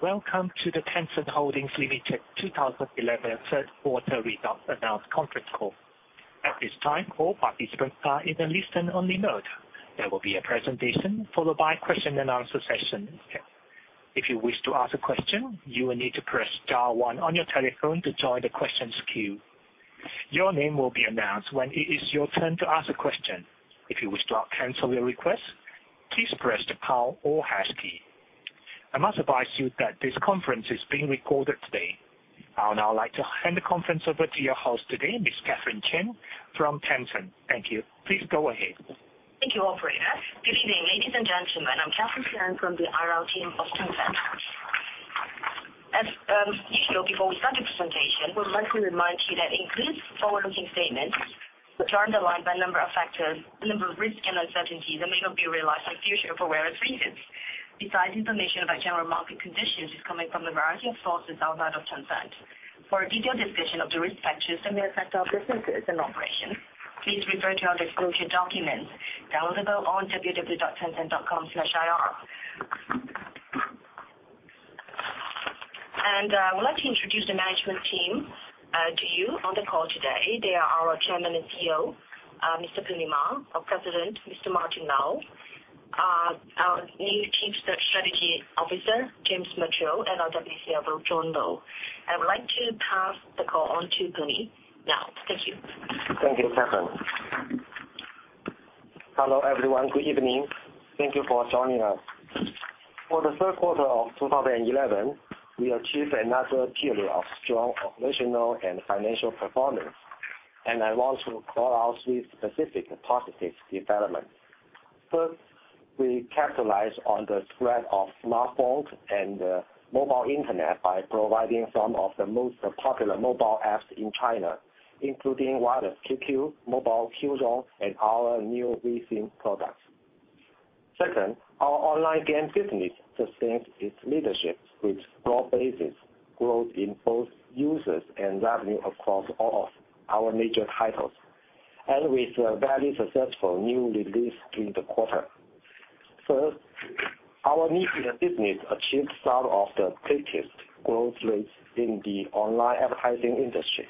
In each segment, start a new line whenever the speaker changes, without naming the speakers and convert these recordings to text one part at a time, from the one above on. Welcome to the Tencent Holdings Limited 2011 Third Quarter Results Announcement Conference Call. At this time, all participants are in a listen-only mode. There will be a presentation followed by a question and answer session. If you wish to ask a question, you will need to press * one on your telephone to join the questions queue. Your name will be announced when it is your turn to ask a question. If you wish to cancel your request, please press the pound or hash key. I must advise you that this conference is being recorded today. I would now like to hand the conference over to your host today, Ms. Catherine Chan from Tencent. Thank you. Please go ahead.
Thank you, operator. Good evening, ladies and gentlemen. I'm Catherine Chan from the IR team of Tencent. As you know, before we start the presentation, we'll mention and remind you that in this forward-looking statement, the turn of the line by a number of factors, a number of risks and uncertainties that may not be realized for the future for various reasons. Besides, information about general market conditions is coming from a variety of sources outside of Tencent. For a detailed discussion of the risk factors that may affect our businesses and operations, please refer to our exclusion documents downloadable on www.tencent.com/ir. I would like to introduce the management team to you on the call today. They are our Chairman and CEO, Mr. Pony Ma, our President, Mr. Martin Lau, our new Chief Strategy Officer, James Mitchell, and our WCRO, John Lo. I would like to pass the call on to Pony now. Thank you.
Thank you, Catherine. Hello, everyone. Good evening. Thank you for joining us. For the third quarter of 2011, we achieved another period of strong operational and financial performance, and I want to call out three specific positive developments. First, we capitalized on the spread of smartphones and the mobile internet by providing some of the most popular mobile apps in China, including Wireless QQ, Mobile Qzone, and our new VSim products. Second, our online game business sustained its leadership with broad bases, growth in both users and revenue across all of our major titles, and with a very successful new release in the quarter. Third, our media business achieved some of the quickest growth rates in the online advertising industry,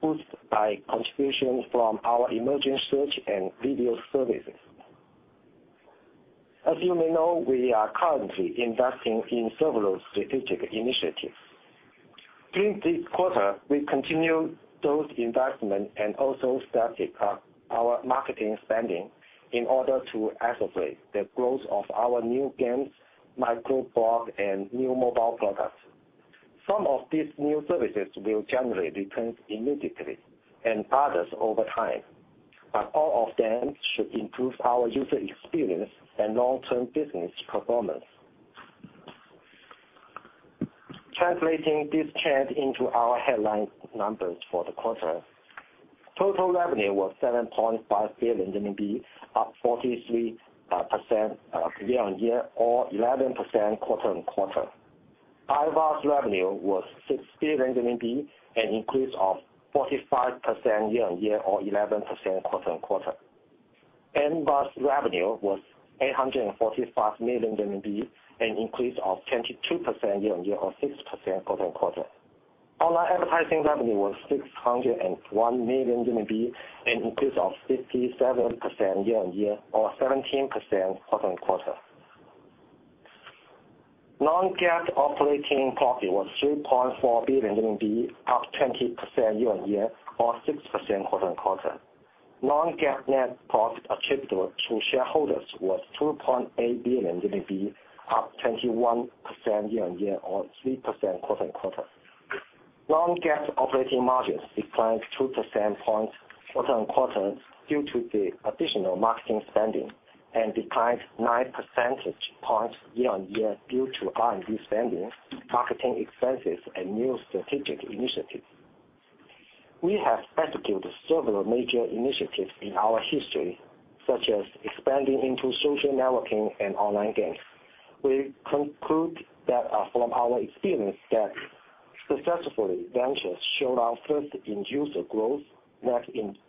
boosted by contributions from our emerging search and video services. As you may know, we are currently investing in several strategic initiatives. During this quarter, we continued those investments and also stepped up our marketing spending in order to accelerate the growth of our new game, microblog, and new mobile products. Some of these new services will generate returns immediately and others over time, but all of them should improve our user experience and long-term business performance. Translating this trend into our headline numbers for the quarter, total revenue was 7.5 billion, up 43% year-on-year or 11% quarter-on-quarter. IVAS revenue was 6 billion renminbi, an increase of 45% year-on-year or 11% quarter-on-quarter. MVAS revenue was 845 million RMB, an increase of 22% year-on-year or 6% quarter-on-quarter. Online advertising revenue was 601 million RMB, an increase of 57% year-on-year or 17% quarter-on-quarter. Non-GAAP operating profit was 3.4 billion RMB, up 20% year-on-year or 6% quarter-on-quarter. Non-GAAP net profit attributable to shareholders was 2.8 billion, up 21% year-on-year or 3% quarter-on-quarter. Non-GAAP operating margins declined 2 percentage points quarter-on-quarter due to the additional marketing spending and declined 9 percentage points year-on-year due to R&D spending, marketing expenses, and new strategic initiatives. We have executed several major initiatives in our history, such as expanding into social networking and online games. We conclude from our experience that successful ventures showed first-end user growth, net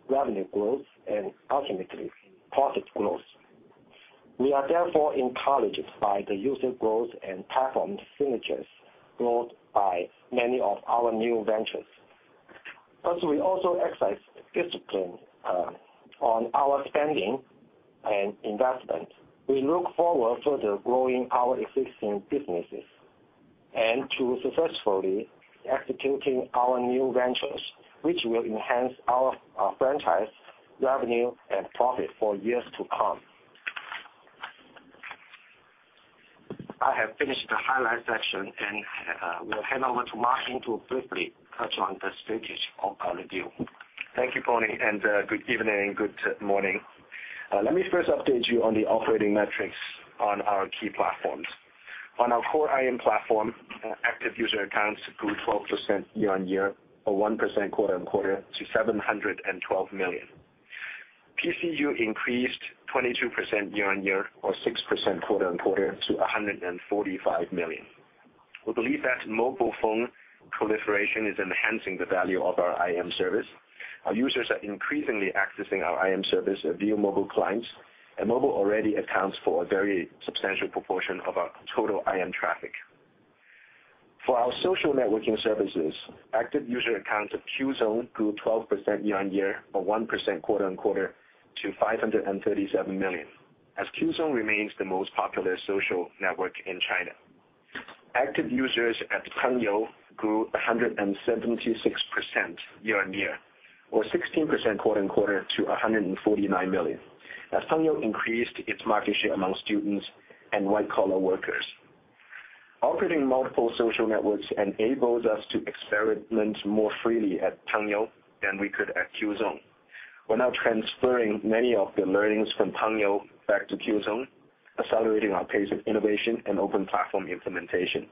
revenue growth, and ultimately profit growth. We are therefore encouraged by the user growth and platform signatures brought by many of our new ventures. As we also exercise discipline on our spending and investment, we look forward to further growing our existing businesses and to successfully executing our new ventures, which will enhance our franchise revenue and profit for years to come. I have finished the highlight section, and will hand over to Martin to briefly touch on the status of our review.
Thank you, Pony, and good evening and good morning. Let me first update you on the operating metrics on our key platforms. On our core IM platform, active user accounts grew 12% year-on-year or 1% quarter-on-quarter to 712 million. PCU increased 22% year-on-year or 6% quarter-on-quarter to 145 million. We believe that mobile phone proliferation is enhancing the value of our IM service. Our users are increasingly accessing our IM service via mobile clients, and mobile already accounts for a very substantial proportion of our total IM traffic. For our social networking services, active user accounts of Qzone grew 12% year-on-year or 1% quarter-on-quarter to 537 million, as Qzone remains the most popular social network in China. Active users at Pengyou grew 176% year-on-year or 16% quarter-on-quarter to 149 million. Pengyou increased its market share among students and white-collar workers. Operating multiple social networks enables us to experiment more freely at Pengyou than we could at Qzone. We're now transferring many of the learnings from Pengyou back to Qzone, accelerating our pace of innovation and open platform implementation.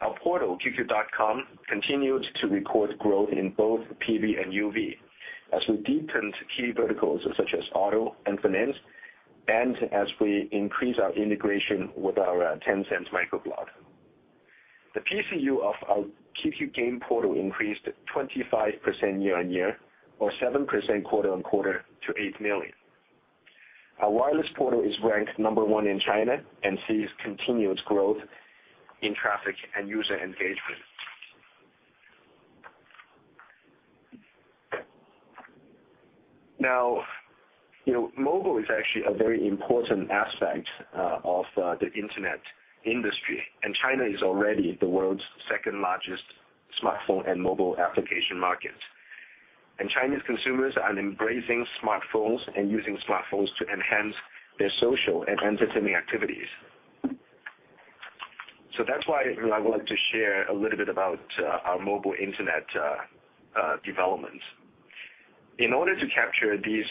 Our portal, QQ.com, continues to report growth in both PV and UV, as we deepened key verticals such as auto and finance, and as we increase our integration with our Tencent Microblog. The PCU of our QQ Game portal increased 25% year-on-year or 7% quarter-on-quarter to 8 million. Our wireless portal is ranked number one in China and sees continued growth in traffic and user engagement. Mobile is actually a very important aspect of the internet industry, and China is already the world's second-largest smartphone and mobile application market. Chinese consumers are embracing smartphones and using smartphones to enhance their social and entertainment activities. That's why I would like to share a little bit about our mobile internet developments. In order to capture these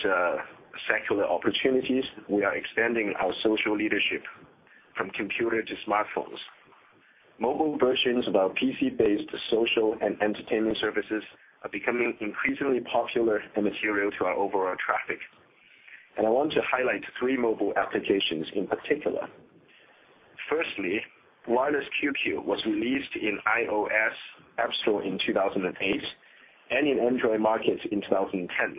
secular opportunities, we are expanding our social leadership from computer to smartphones. Mobile versions of our PC-based social and entertainment services are becoming increasingly popular and material to our overall traffic. I want to highlight three mobile applications in particular. Firstly, Wireless QQ was released in iOS App Store in 2008 and in Android markets in 2010,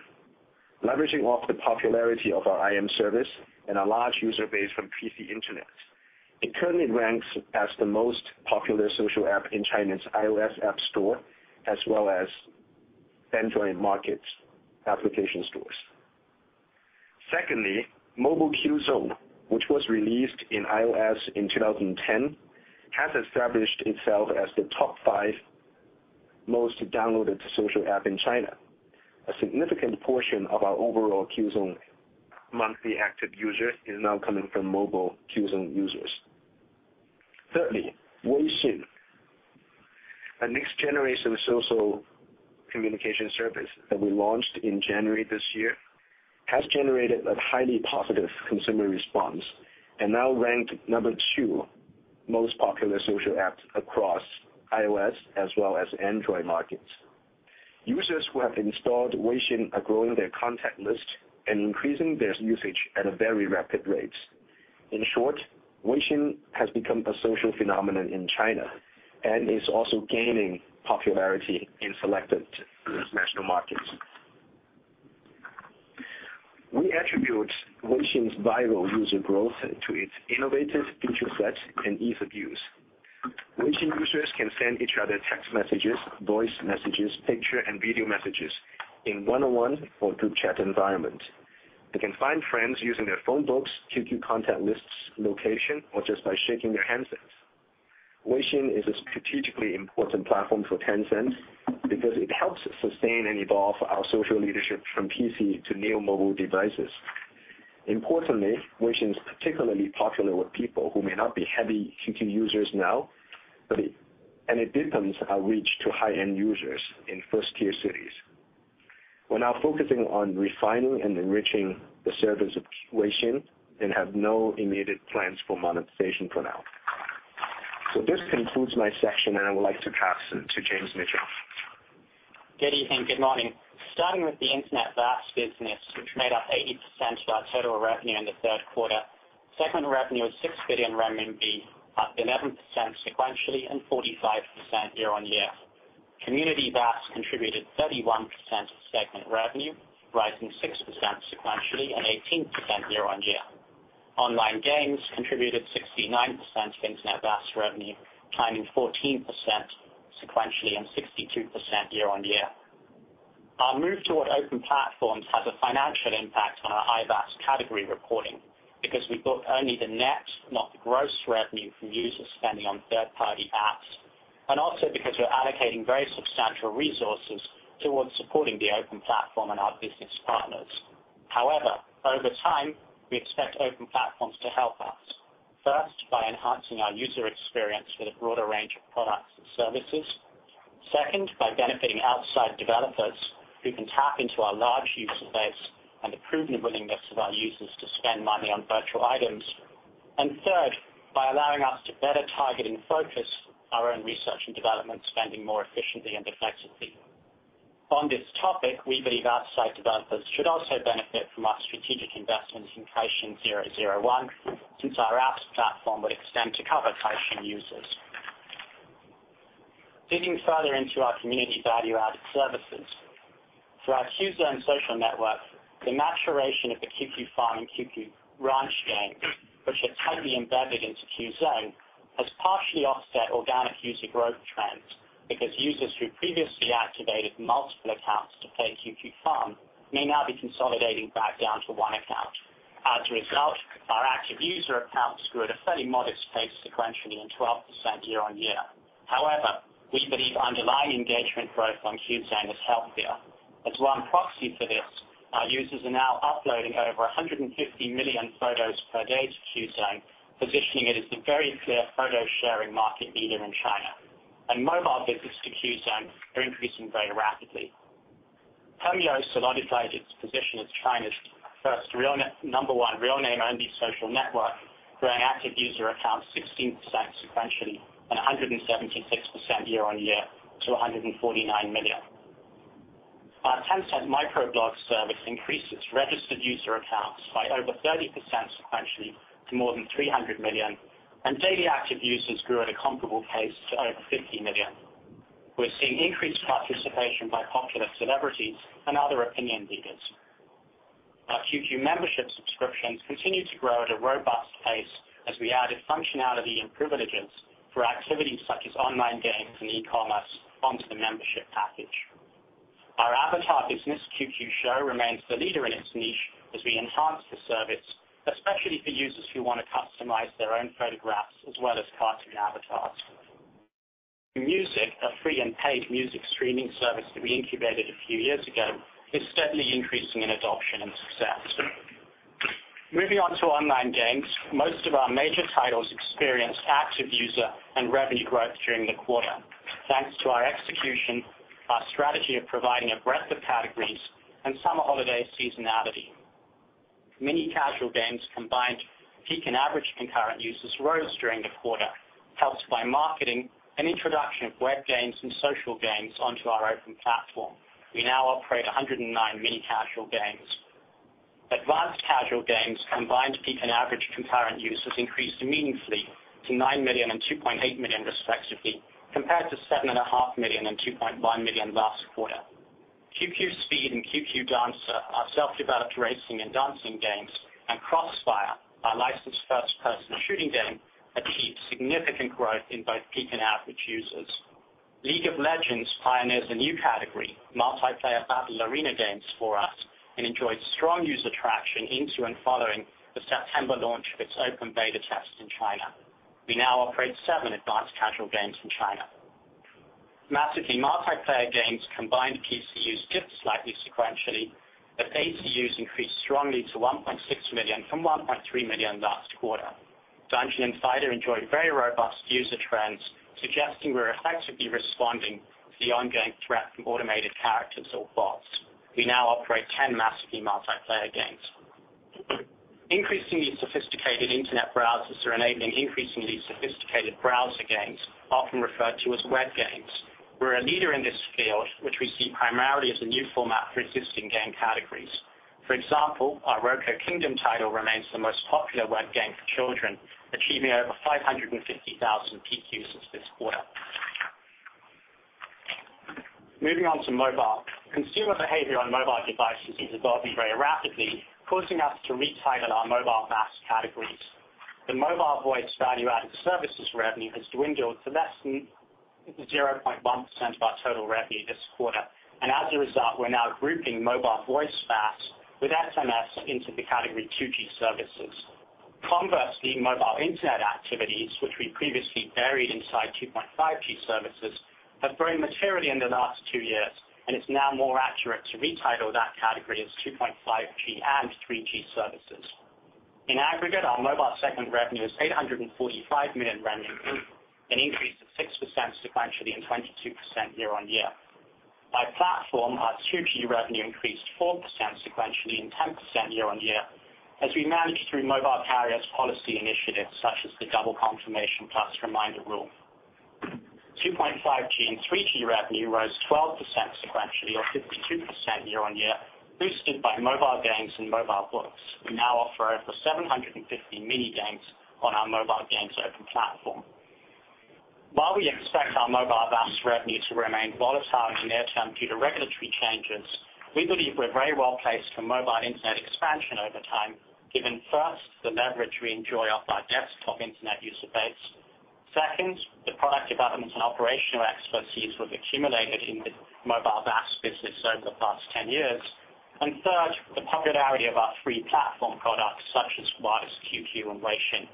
leveraging off the popularity of our IM service and a large user base from PC Internet. It currently ranks as the most popular social app in China's iOS App Store, as well as Android market application stores. Secondly, Mobile Qzone, which was released in iOS in 2010, has established itself as the top five most downloaded social app in China. A significant portion of our overall Qzone monthly active users is now coming from Mobile Qzone users. Thirdly, Weixin, a next-generation social communication service that we launched in January this year, has generated a highly positive consumer response and now ranked number two most popular social app across iOS as well as Android markets. Users who have installed Weixin are growing their contact list and increasing their usage at a very rapid rate. In short, Weixin has become a social phenomenon in China and is also gaining popularity in selected national markets. We attribute Weixin's vital user growth to its innovative feature set and ease of use. Weixin users can send each other text messages, voice messages, picture, and video messages in one-on-one or group chat environments. They can find friends using their phone books, QQ contact lists, location, or just by shaking their hands there. Weixin is a strategically important platform for Tencent because it helps sustain and evolve our social leadership from PC to new mobile devices. Importantly, Weixin is particularly popular with people who may not be heavy QQ users now, and it deepens our reach to high-end users in first-tier cities. We're now focusing on refining and enriching the service of Weixin and have no immediate plans for monetization for now. This concludes my section, and I would like to pass it to James Mitchell.
Good evening. Good morning. Starting with the Internet VAS business, we've made up 80% of our total revenue in the third quarter. Segment revenue was 6 billion renminbi, up 11% sequentially and 45% year-on-year. Community value-added services contributed 31% of segment revenue, rising 6% sequentially and 18% year-on-year. Online games contributed 69% of Internet VAS revenue, climbing 14% sequentially and 62% year-on-year. Our move toward open platforms has a financial impact on our IVAS category reporting because we book only the net, not the gross revenue from users spending on third-party apps, and also because we're allocating very substantial resources towards supporting the open platform and our business partners. However, over time, we expect open platforms to help us. First, by enhancing our user experience with a broader range of products and services. Second, by benefiting outside developers who can tap into our large user base and the proven willingness of our users to spend money on virtual items. Third, by allowing us to better target and focus our own research and development spending more efficiently and effectively. On this topic, we believe outside developers should also benefit from our strategic investments in Kaixin001, since our app platform would extend to cover Kaixin users. Digging further into our community value-added services, for our Qzone social network, the maturation of the QQ Farm and QQ Ranch game, which are totally embedded into Qzone, has partially offset organic user growth trends because users who previously activated multiple accounts to play QQ Farm may now be consolidating back down to one account. As a result, our active user accounts grew at a fairly modest pace sequentially and 12% year-on-year. However, we believe underlying engagement growth on Qzone is healthier. As one proxy for this, our users are now uploading over 150 million photos per day to Qzone, positioning it as a very clear photo sharing market leader in China. Mobile visits to Qzone are increasing very rapidly. Pengyou solidified its position as China's first number one real-name-only social network, growing active user accounts 16% sequentially and 176% year-on-year to 149 million. Our Tencent Microblog service increases registered user accounts by over 30% sequentially to more than 300 million, and daily active users grew at a comparable pace to over 50 million, with increased participation by popular celebrities and other opinion leaders. Our QQ Membership subscriptions continue to grow at a robust pace as we added functionality and privileges for activities such as online games and e-commerce onto the membership package. Our avatar business, QQ Show, remains the leader in its niche as we enhance the service, especially for users who want to customize their own photographs as well as cartoon avatars. Music, a free and paid music streaming service that we incubated a few years ago, is steadily increasing in adoption and success. Moving on to online games, most of our major titles experienced active user and revenue growth during the quarter, thanks to our execution, our strategy of providing a breadth of categories, and summer holiday seasonality. Many casual games combined peak and average concurrent users' roles during the quarter, helped by marketing and introduction of web games and social games onto our open platform. We now operate 109 mini casual games. Advanced casual games combined peak and average concurrent users increased meaningfully to 9 million and 2.8 million respectively, compared to 7.5 million and 2.1 million last quarter. QQ Speed and QQ Dancer are self-developed racing and dancing games, and CrossFire, our licensed first-person shooting game, achieved significant growth in both peak and average users. League of Legends pioneered a new category, multiplayer battle arena games, for us and enjoyed strong user traction into and following the September launch of its open beta test in China. We now operate seven advanced casual games in China. Massively multiplayer games combined PCUs dipped slightly sequentially, but ACUs increased strongly to 1.6 million from 1.3 million last quarter. Dungeon and Fighter enjoyed very robust user trends, suggesting we're effectively responding to the ongoing threat from automated characters or bots. We now operate 10 massively multiplayer games. Increasingly sophisticated internet browsers are enabling increasingly sophisticated browser games, often referred to as web games. We're a leader in this field, which we see primarily as a new format for existing game categories. For example, our Roco Kingdom title remains the most popular web game for children, achieving over 550,000 peak users this quarter. Moving on to mobile, consumer behavior on mobile devices is evolving very rapidly, causing us to retitle our mobile mass categories. The mobile voice value-added services revenue has dwindled to less than 0.1% of our total revenue this quarter. As a result, we're now grouping mobile voice with SMS into the category QP services. The mobile internet activities, which we previously buried inside (2.5P services), have grown in maturity in the last two years, and it's now more accurate to retitle that category as (2.5P and 3P services). In aggregate, our mobile segment revenue is RMB 845 million and increased 6% sequentially and 22% year-on-year. By platform, our QQ revenue increased 4% sequentially and 10% year-on-year as we managed through mobile carriers' policy initiatives such as the double confirmation plus reminder rule. (2.5G and 3P) revenue rose 12% sequentially or 52% year-on-year, boosted by mobile games and mobile books. We now offer over 750 mini games on our mobile games open platform. While we expect our mobile value-added services revenue to remain volatile in the near term due to regulatory changes, we believe we're very well placed for mobile internet expansion over time, given first, the leverage we enjoy off our desktop internet user base. Second, the product development and operational expertise we've accumulated in the mobile value-added services business over the past 10 years. Third, the popularity of our free platform products such as Wireless QQ and Weixin.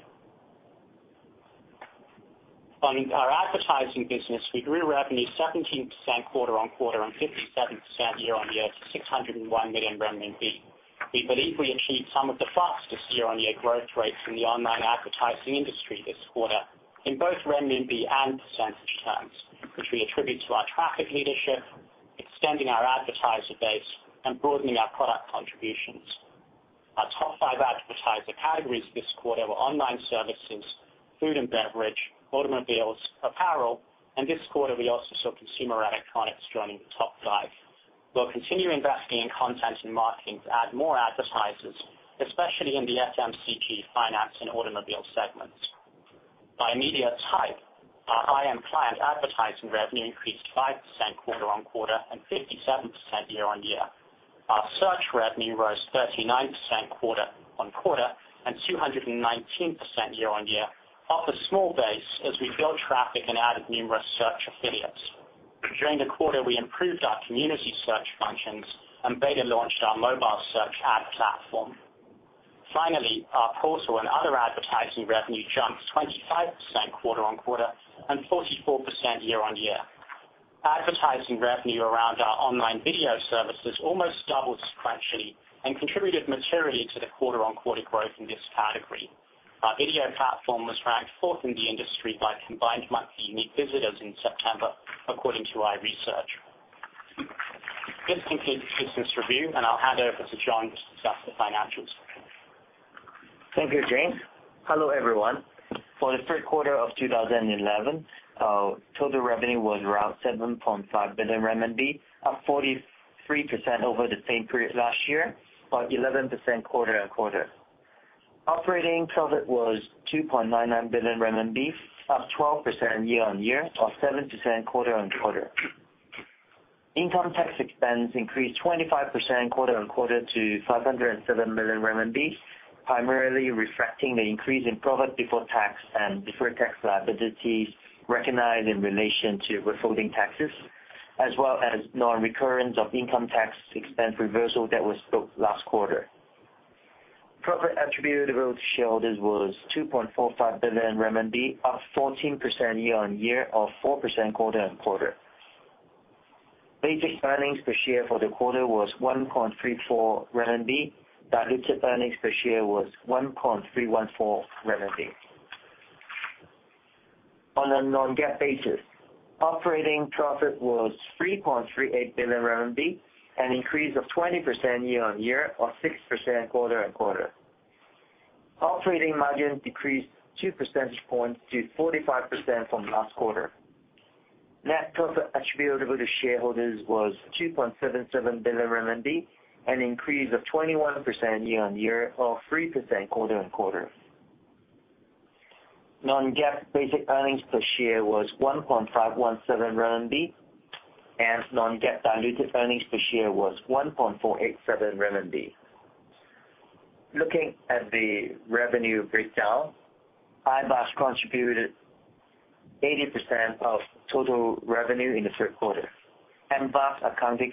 On our advertising business, we grew revenue 17% quarter-on-quarter and 57% year-on-year to 601 million renminbi. We believe we achieved some of the fastest year-on-year growth rates in the online advertising industry this quarter in both renminbi and percentage terms, which we attribute to our traffic leadership, extending our advertiser base, and broadening our product contributions. Our top five advertiser categories this quarter were online services, food and beverage, automobiles, apparel, and this quarter we also saw consumer electronics joining the top five. We'll continue investing in content and marketing to add more advertisers, especially in the FMCG, finance, and automobile segments. By media type, our IM client advertising revenue increased 5% quarter-on-quarter and 57% year-on-year. Our search revenue rose 39% quarter-on-quarter and 219% year-on-year off a small base as we built traffic and added numerous search affiliates. During the quarter, we improved our community search functions and beta-launched our mobile search ad platform. Finally, our portal and other advertising revenue jumped 25% quarter-on-quarter and 44% year-on-year. Advertising revenue around our online video services almost doubled sequentially and contributed materially to the quarter-on-quarter growth in this category. Our video platform was ranked fourth in the industry by combined monthly unique visitors in September, according to our research. This concludes this review, and I'll hand over to John to discuss the financials.
Thank you, James. Hello, everyone. For the third quarter of 2011, total revenue was around 7.5 billion RMB, up 43% over the same period last year, or 11% quarter-on-quarter. Operating profit was 2.99 billion renminbi, up 12% year-on-year, or 7% quarter-on-quarter. Income tax expense increased 25% quarter-on-quarter to 507 million RMB, primarily reflecting the increase in profit before tax and deferred tax liabilities recognized in relation to withholding taxes, as well as non-recurrence of income tax expense reversal that was spoken last quarter. Profit attributable to shareholders was 2.45 billion RMB, up 14% year-on-year or 4% quarter-on-quarter. Basic earnings per share for the quarter was 1.34 RMB. Diluted earnings per share was 1.314 RMB. On a non-GAAP basis, operating profit was 3.38 billion RMB, an increase of 20% year-on-year or 6% quarter-on-quarter. Operating margin decreased 2 percentage points to 45% from last quarter. Net profit attributable to shareholders was 2.77 billion RMB, an increase of 21% year-on-year or 3% quarter-on-quarter. Non-GAAP basic earnings per share was 1.517 RMB, and non-GAAP diluted earnings per share was 1.487 RMB. Looking at the revenue breakdown, IVAS contributed 80% of total revenue in the third quarter. mVAS accounted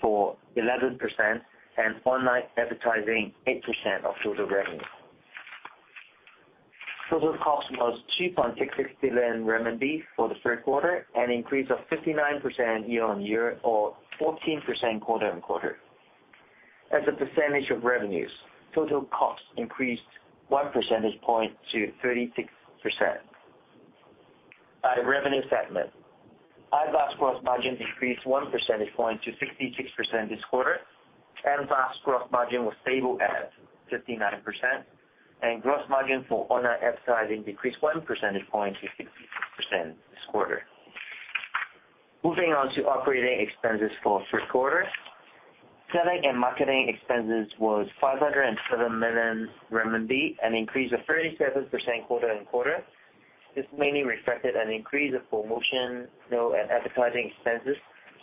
for 11% and online advertising 8% of total revenue. Total cost was 2.66 billion renminbi for the third quarter, an increase of 59% year-on-year or 14% quarter-on-quarter. As a percentage of revenues, total cost increased 1 percentage point to 36%. By revenue segment, IVAS gross margin decreased 1 percentage point to 66% this quarter. MVAS gross margin was stable at 59%, and gross margin for online advertising decreased 1 percentage point to 66% this quarter. Moving on to operating expenses for the third quarter, selling and marketing expenses were 507 million RMB, an increase of 37% quarter-on-quarter. This mainly reflected an increase of promotional and advertising expenses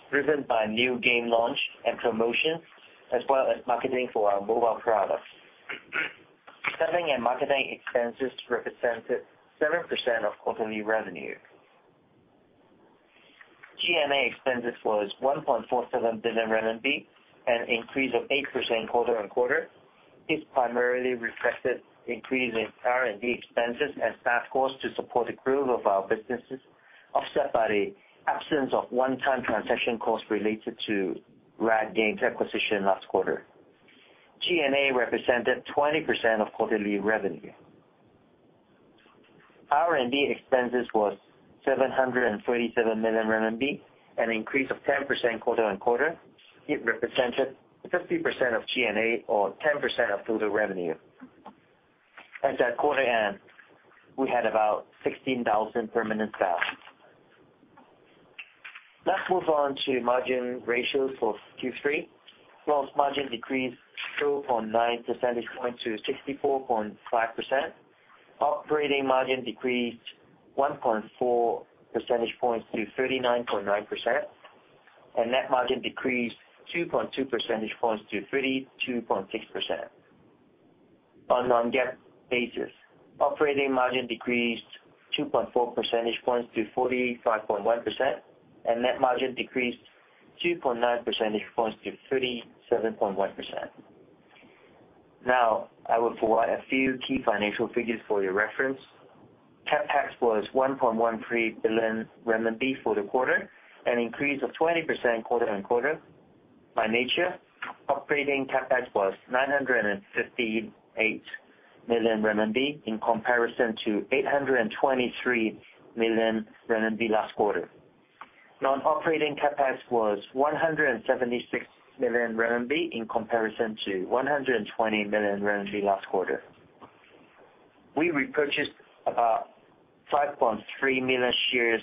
driven by new game launch and promotions, as well as marketing for our mobile products. Selling and marketing expenses represented 7% of quarterly revenue. G&A expenses were RMB 1.47 billion, an increase of 8% quarter-on-quarter. This primarily reflected increasing R&D expenses and staff costs to support the growth of our businesses, offset by the absence of one-time transaction costs related to Riot Games acquisition last quarter. G&A represented 20% of quarterly revenue. R&D expenses were 737 million RMB, an increase of 10% quarter-on-quarter. It represented 50% of G&A or 10% of total revenue. At that quarter, we had about 16,000 permanent staff. Let's move on to margin ratios for Q3. Gross margin decreased 4.9 percentage points to 64.5%. Operating margin decreased 1.4 percentage points to 39.9%, and net margin decreased 2.2 percentage points to 32.6%. On a non-GAAP basis, operating margin decreased 2.4 percentage points to 45.1%, and net margin decreased 2.9 percentage points to 37.1%. Now, I will forward a few key financial figures for your reference. CapEx was 1.13 billion renminbi for the quarter, an increase of 20% quarter-on-quarter by nature. Operating CapEx was 958 million renminbi in comparison to 823 million renminbi last quarter. Non-operating CapEx was 176 million renminbi in comparison to 120 million renminbi last quarter. We repurchased about 5.3 million shares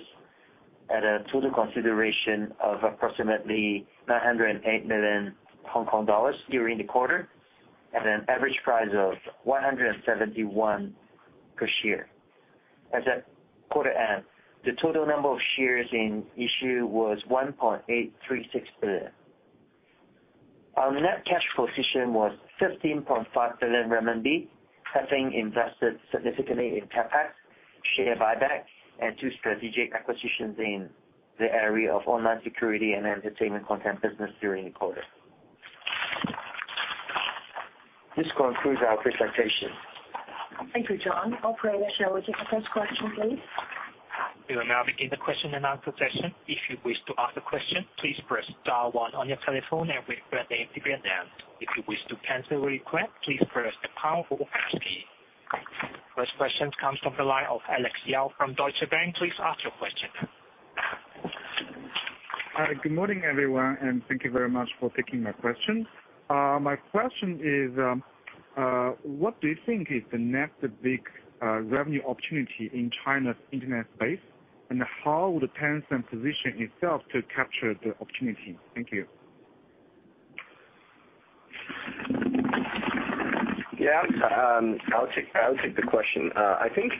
at a total consideration of approximately 908 million Hong Kong dollars during the quarter at an average price of 171 per share. As a quarter add, the total number of shares in issue was 1.836 billion. Our net cash position was 15.5 billion RMB, having invested significantly in CapEx, share buyback, and two strategic acquisitions in the area of online security and entertainment content business during the quarter. This concludes our presentation.
Thank you, John. Operator, shall we take the first question, please?
We will now begin the question and answer session. If you wish to ask a question, please press * one on your telephone and we'll gladly integrate them. If you wish to cancel your request, please press the pound or hash key. The first question comes from the line of Alex Yao from Deutsche Bank. Please ask your question now.
Good morning, everyone, and thank you very much for taking my question. My question is, what do you think is the next big revenue opportunity in China's Internet space, and how would Tencent position itself to capture the opportunity? Thank you.
Yeah, I'll take the question. I think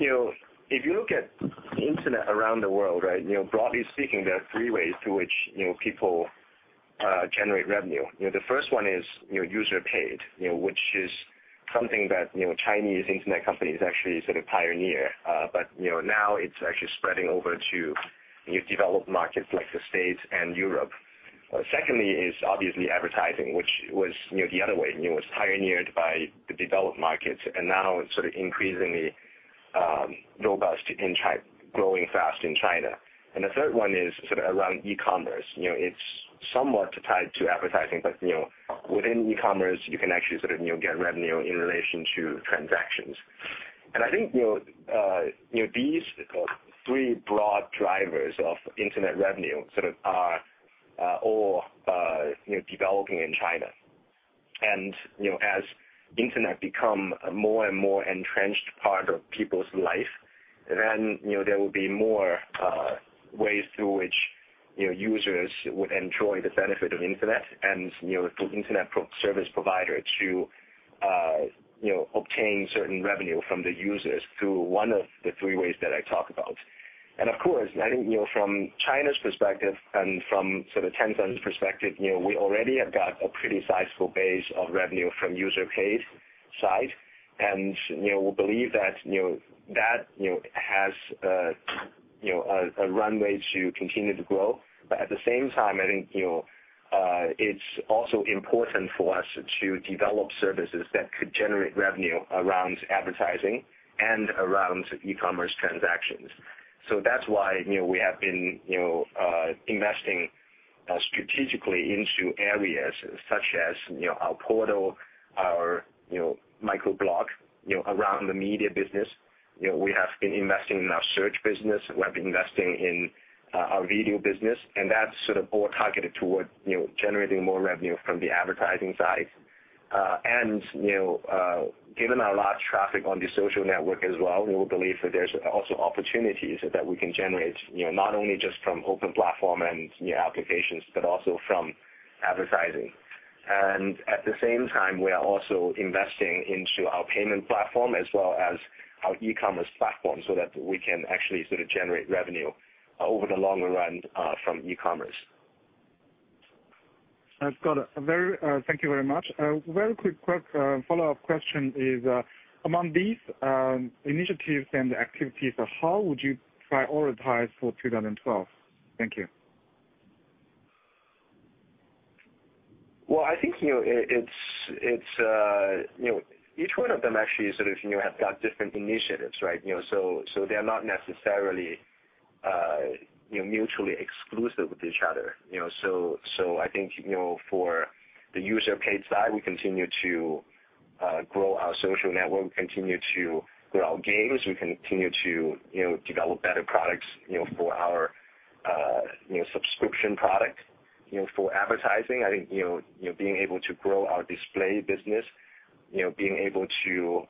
if you look at the internet around the world, right, broadly speaking, there are three ways through which people generate revenue. The first one is user paid, which is something that Chinese Internet companies actually sort of pioneered, but now it's actually spreading over to developed markets like the States and Europe. Secondly, is obviously advertising, which was the other way. It was pioneered by the developed markets and now sort of increasingly robust in China, growing fast in China. The third one is sort of around e-commerce. It's somewhat tied to advertising, but within e-commerce, you can actually sort of get revenue in relation to transactions. I think these three broad drivers of internet revenue sort of are all developing in China. As the internet becomes a more and more entrenched part of people's life, there will be more ways through which users would enjoy the benefit of the internet and from an internet service provider to obtain certain revenue from the users through one of the three ways that I talked about. Of course, I think from China's perspective and from sort of Tencent's perspective, we already have got a pretty sizable base of revenue from the user paid side. We believe that has a runway to continue to grow. At the same time, I think it's also important for us to develop services that could generate revenue around advertising and around e-commerce transactions. That's why we have been investing strategically into areas such as our portal, our microblog, around the media business. We have been investing in our search business. We have been investing in our video business. That's sort of all targeted toward generating more revenue from the advertising side. Given our large traffic on the social network as well, we believe that there's also opportunities that we can generate, not only just from open platform and applications, but also from advertising. At the same time, we are also investing into our payment platform as well as our e-commerce platform so that we can actually sort of generate revenue over the longer run from e-commerce.
Thank you very much. A very quick follow-up question is, among these initiatives and activities, how would you prioritize for 2012? Thank you.
I think each one of them actually sort of have got different initiatives, right? They're not necessarily mutually exclusive with each other. I think for the user paid side, we continue to grow our social network. We continue to grow our games. We continue to develop better products for our subscription product. For advertising, I think being able to grow our display business, being able to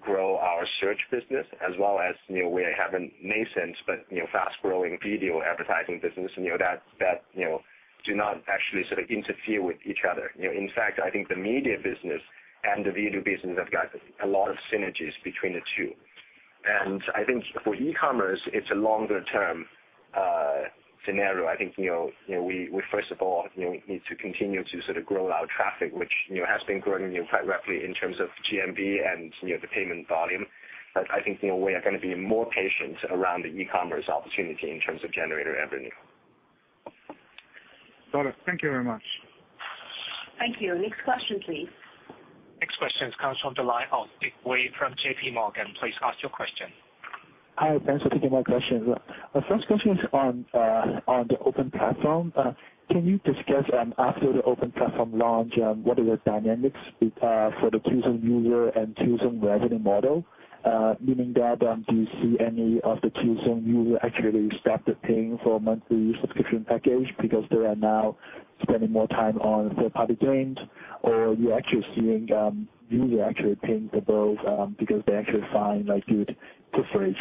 grow our search business, as well as we are having a nascent but fast-growing video advertising business that do not actually sort of interfere with each other. In fact, I think the media business and the video business have got a lot of synergies between the two. I think for e-commerce, it's a longer-term scenario. I think we, first of all, need to continue to sort of grow our traffic, which has been growing quite rapidly in terms of GMV and the payment volume. I think we are going to be more patient around the e-commerce opportunity in terms of generating revenue.
Got it. Thank you very much.
Thank you. Next question, please.
Next question comes from the line of Vic Wei from JPMorgan. Please ask your question.
Hi. Thanks for taking my question. My first question is on the open platform. Can you discuss, after the open platform launch, what are the dynamics for the Qzone user and Qzone revenue model? Meaning that, do you see any of the Qzone user actually really stop paying for a monthly subscription package because they are now spending more time on third-party games? Or are you actually seeing users actually paying the bills because they actually find, like, good coverage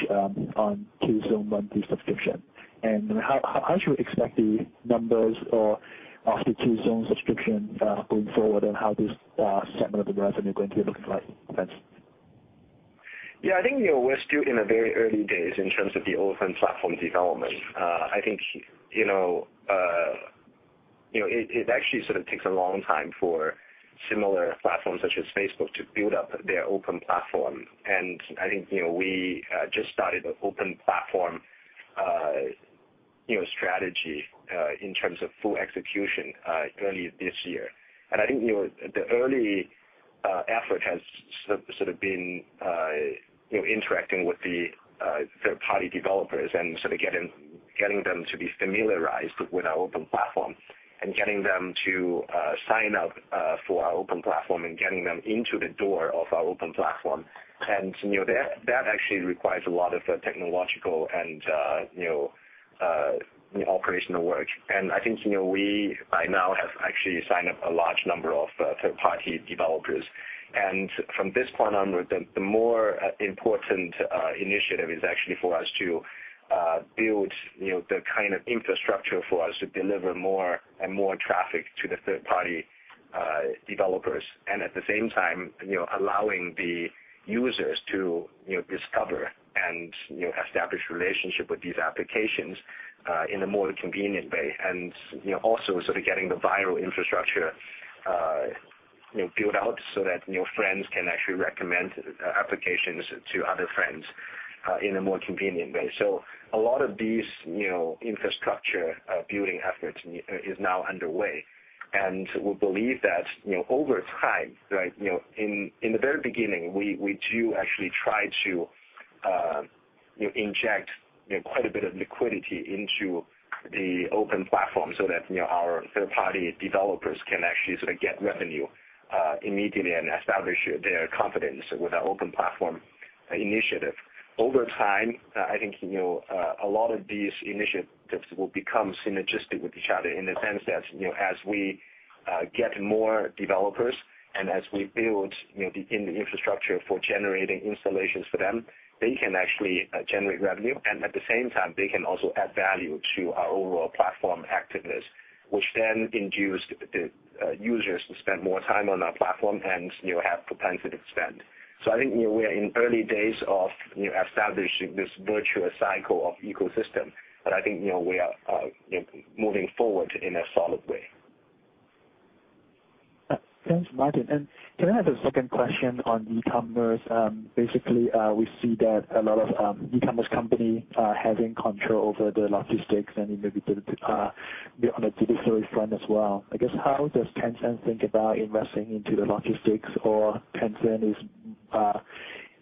on Qzone monthly subscription? How should we expect the numbers of the Qzone subscription going forward and how this segment of the revenue is going to be looking like?
Yeah, I think we're still in the very early days in terms of the open platform development. I think it actually sort of takes a long time for similar platforms such as Facebook to build up their open platform. I think we just started an open platform strategy in terms of full execution early this year. The early effort has sort of been interacting with the third-party developers and getting them to be familiarized with our open platform and getting them to sign up for our open platform and getting them into the door of our open platform. That actually requires a lot of technological and operational work. I think we by now have actually signed up a large number of third-party developers. From this point on, the more important initiative is actually for us to build the kind of infrastructure for us to deliver more and more traffic to the third-party developers and at the same time allowing the users to discover and establish a relationship with these applications in a more convenient way. Also, sort of getting the viral infrastructure built out so that friends can actually recommend applications to other friends in a more convenient way. A lot of these infrastructure building efforts are now underway. We believe that over time, right, in the very beginning, we do actually try to inject quite a bit of liquidity into the open platform so that our third-party developers can actually sort of get revenue immediately and establish their confidence with our open platform initiative. Over time, I think a lot of these initiatives will become synergistic with each other in the sense that as we get more developers and as we build the infrastructure for generating installations for them, they can actually generate revenue. At the same time, they can also add value to our overall platform activities, which then induce the users to spend more time on our platform and have propensity to spend. I think we're in early days of establishing this virtual cycle of ecosystem. I think we are moving forward in a solid way.
Thanks, Martin. Can I have the second question on e-commerce? Basically, we see that a lot of e-commerce companies are having control over the logistics and, you know, on the digital front as well. I guess, how does Tencent think about investing into the logistics? Or is Tencent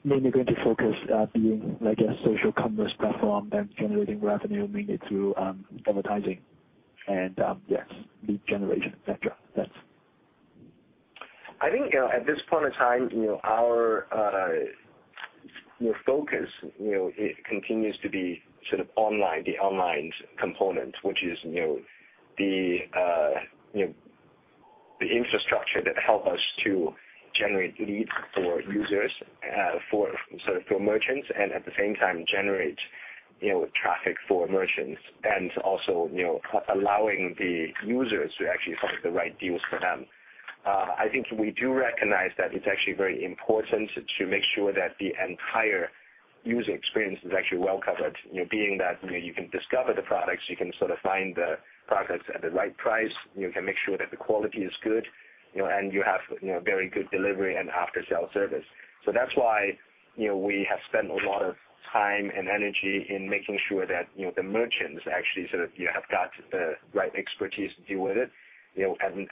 mainly going to focus on being like a social commerce platform and generating revenue mainly through advertising and, yes, lead generation, et cetera.
I think at this point in time, our focus continues to be sort of online, the online component, which is the infrastructure that helps us to generate leads for users, for merchants, and at the same time, generate traffic for merchants and also allowing the users to actually find the right deals for them. I think we do recognize that it's actually very important to make sure that the entire user experience is actually well covered, being that you can discover the products. You can sort of find the products at the right price. You can make sure that the quality is good, and you have very good delivery and after-sale service. That's why we have spent a lot of time and energy in making sure that the merchants actually have got the right expertise to deal with it.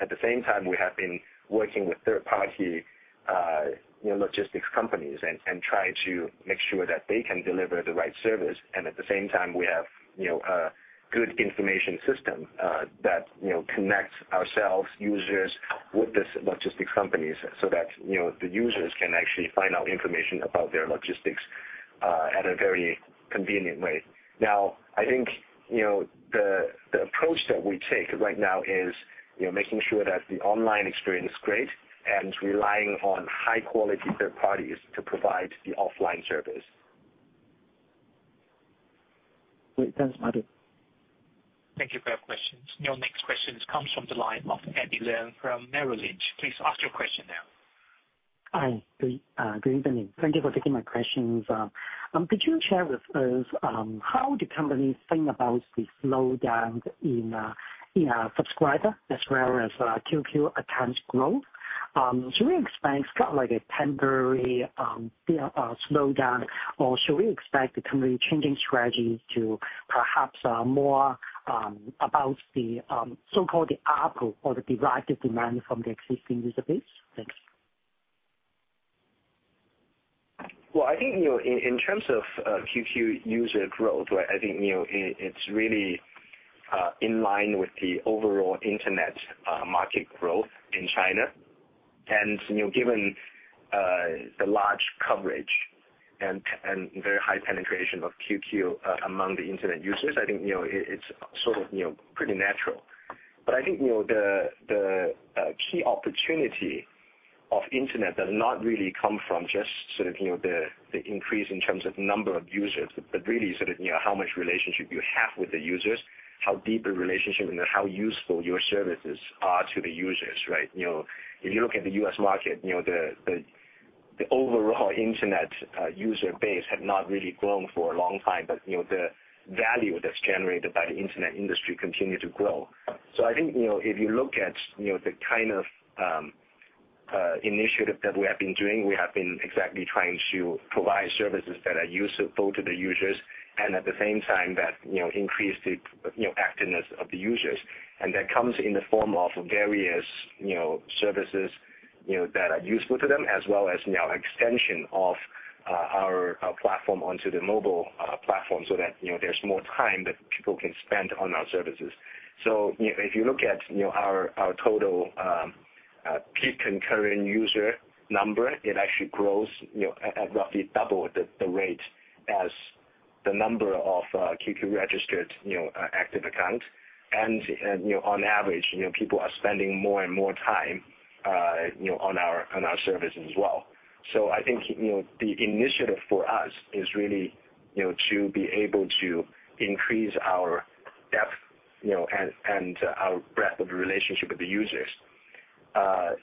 At the same time, we have been working with third-party logistics companies and try to make sure that they can deliver the right service. At the same time, we have a good information system that connects ourselves, users with these logistics companies so that the users can actually find out information about their logistics in a very convenient way. I think the approach that we take right now is making sure that the online experience is great and relying on high-quality third parties to provide the offline service.
Great. Thanks, Martin.
Thank you for your questions. Your next question comes from the line of Eddie Leung from Merrill Lynch. Please ask your question now.
Hi. Good evening. Thank you for taking my questions. Could you share with us how the company is thinking about the slowdown in subscribers as well as QQ accounts growth? Should we expect kind of like a temporary slowdown, or should we expect the company changing strategies to perhaps more about the so-called the Apple or the derived demand from the existing user base? Thanks.
I think, in terms of QQ user growth, it's really in line with the overall internet market growth in China. Given the large coverage and very high penetration of QQ among the internet users, it's pretty natural. The key opportunity of the internet does not really come from just the increase in the number of users, but really how much relationship you have with the users, how deep the relationship, and how useful your services are to the users, right? If you look at the U.S. market, the overall internet user base had not really grown for a long time, but the value that's generated by the internet industry continued to grow. If you look at the kind of initiative that we have been doing, we have been exactly trying to provide services that are useful to the users and at the same time that increase the activeness of the users. That comes in the form of various services that are useful to them, as well as an extension of our platform onto the mobile platform so that there's more time that people can spend on our services. If you look at our total key concurrent user number, it actually grows at roughly double the rate as the number of QQ registered active accounts. On average, people are spending more and more time on our services as well. The initiative for us is really to be able to increase our depth and our breadth of relationship with the users. I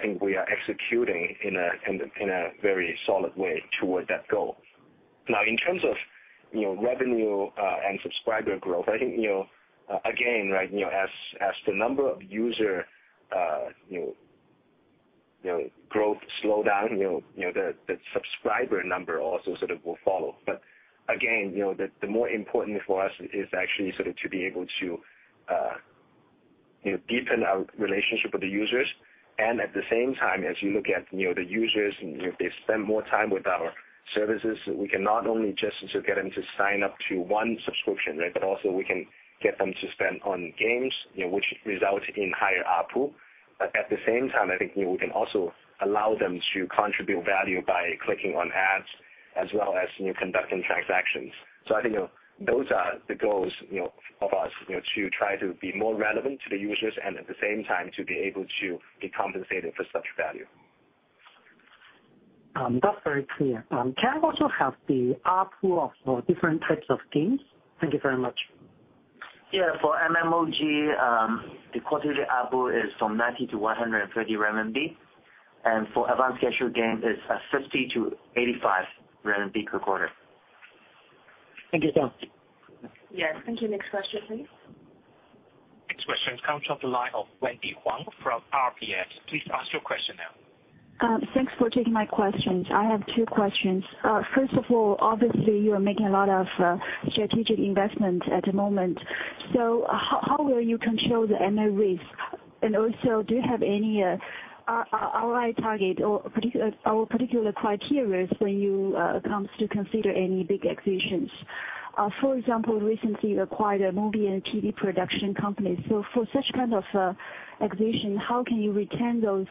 think we are executing in a very solid way toward that goal. In terms of revenue and subscriber growth, again, as the number of user growth slows down, the subscriber number also will follow. The more important for us is actually to be able to deepen our relationship with the users. At the same time, as you look at the users, they spend more time with our services, we can not only just get them to sign up to one subscription, but also we can get them to spend on games, which result in higher output. At the same time, I think we can also allow them to contribute value by clicking on ads as well as conducting transactions. I think those are the goals of us to try to be more relevant to the users and at the same time to be able to be compensated for such value.
That's very clear. Can I also have the output of different types of games? Thank you very much.
Yeah, for MMOG, the quarterly output is from 90,000-130,000 RMB. For advanced casual games, it's 50,000-85,000 RMB per quarter.
Thank you, John.
Yes, thank you. Next question, please.
Next question comes from the line of Wendy Wang from RBS. Please ask your question now.
Thanks for taking my questions. I have two questions. First of all, obviously, you are making a lot of strategic investments at the moment. How will you control the ML risk? Also, do you have any ROI target or particular criteria when it comes to considering any big acquisitions? For example, recently, you acquired a movie and a TV production company. For such kind of acquisition, how can you retain those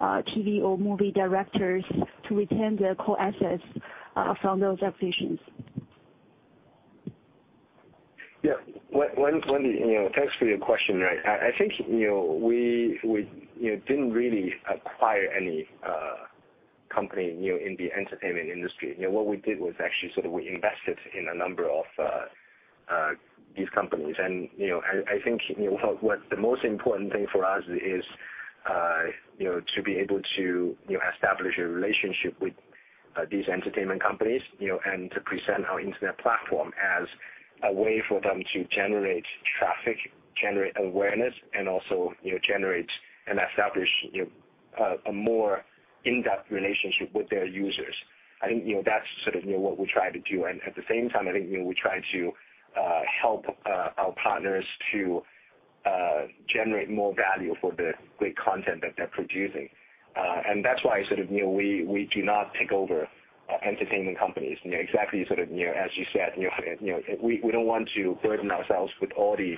TV or movie directors to retain the core assets from those acquisitions?
Yeah, Wendy, thanks for your question. I think, you know, we didn't really acquire any company in the entertainment industry. What we did was actually we invested in a number of these companies. I think what's the most important thing for us is to be able to establish a relationship with these entertainment companies and to present our internet platform as a way for them to generate traffic, generate awareness, and also generate and establish a more in-depth relationship with their users. I think that's what we try to do. At the same time, I think we try to help our partners to generate more value for the great content that they're producing. That's why we do not take over entertainment companies. Exactly as you said, we don't want to burden ourselves with all the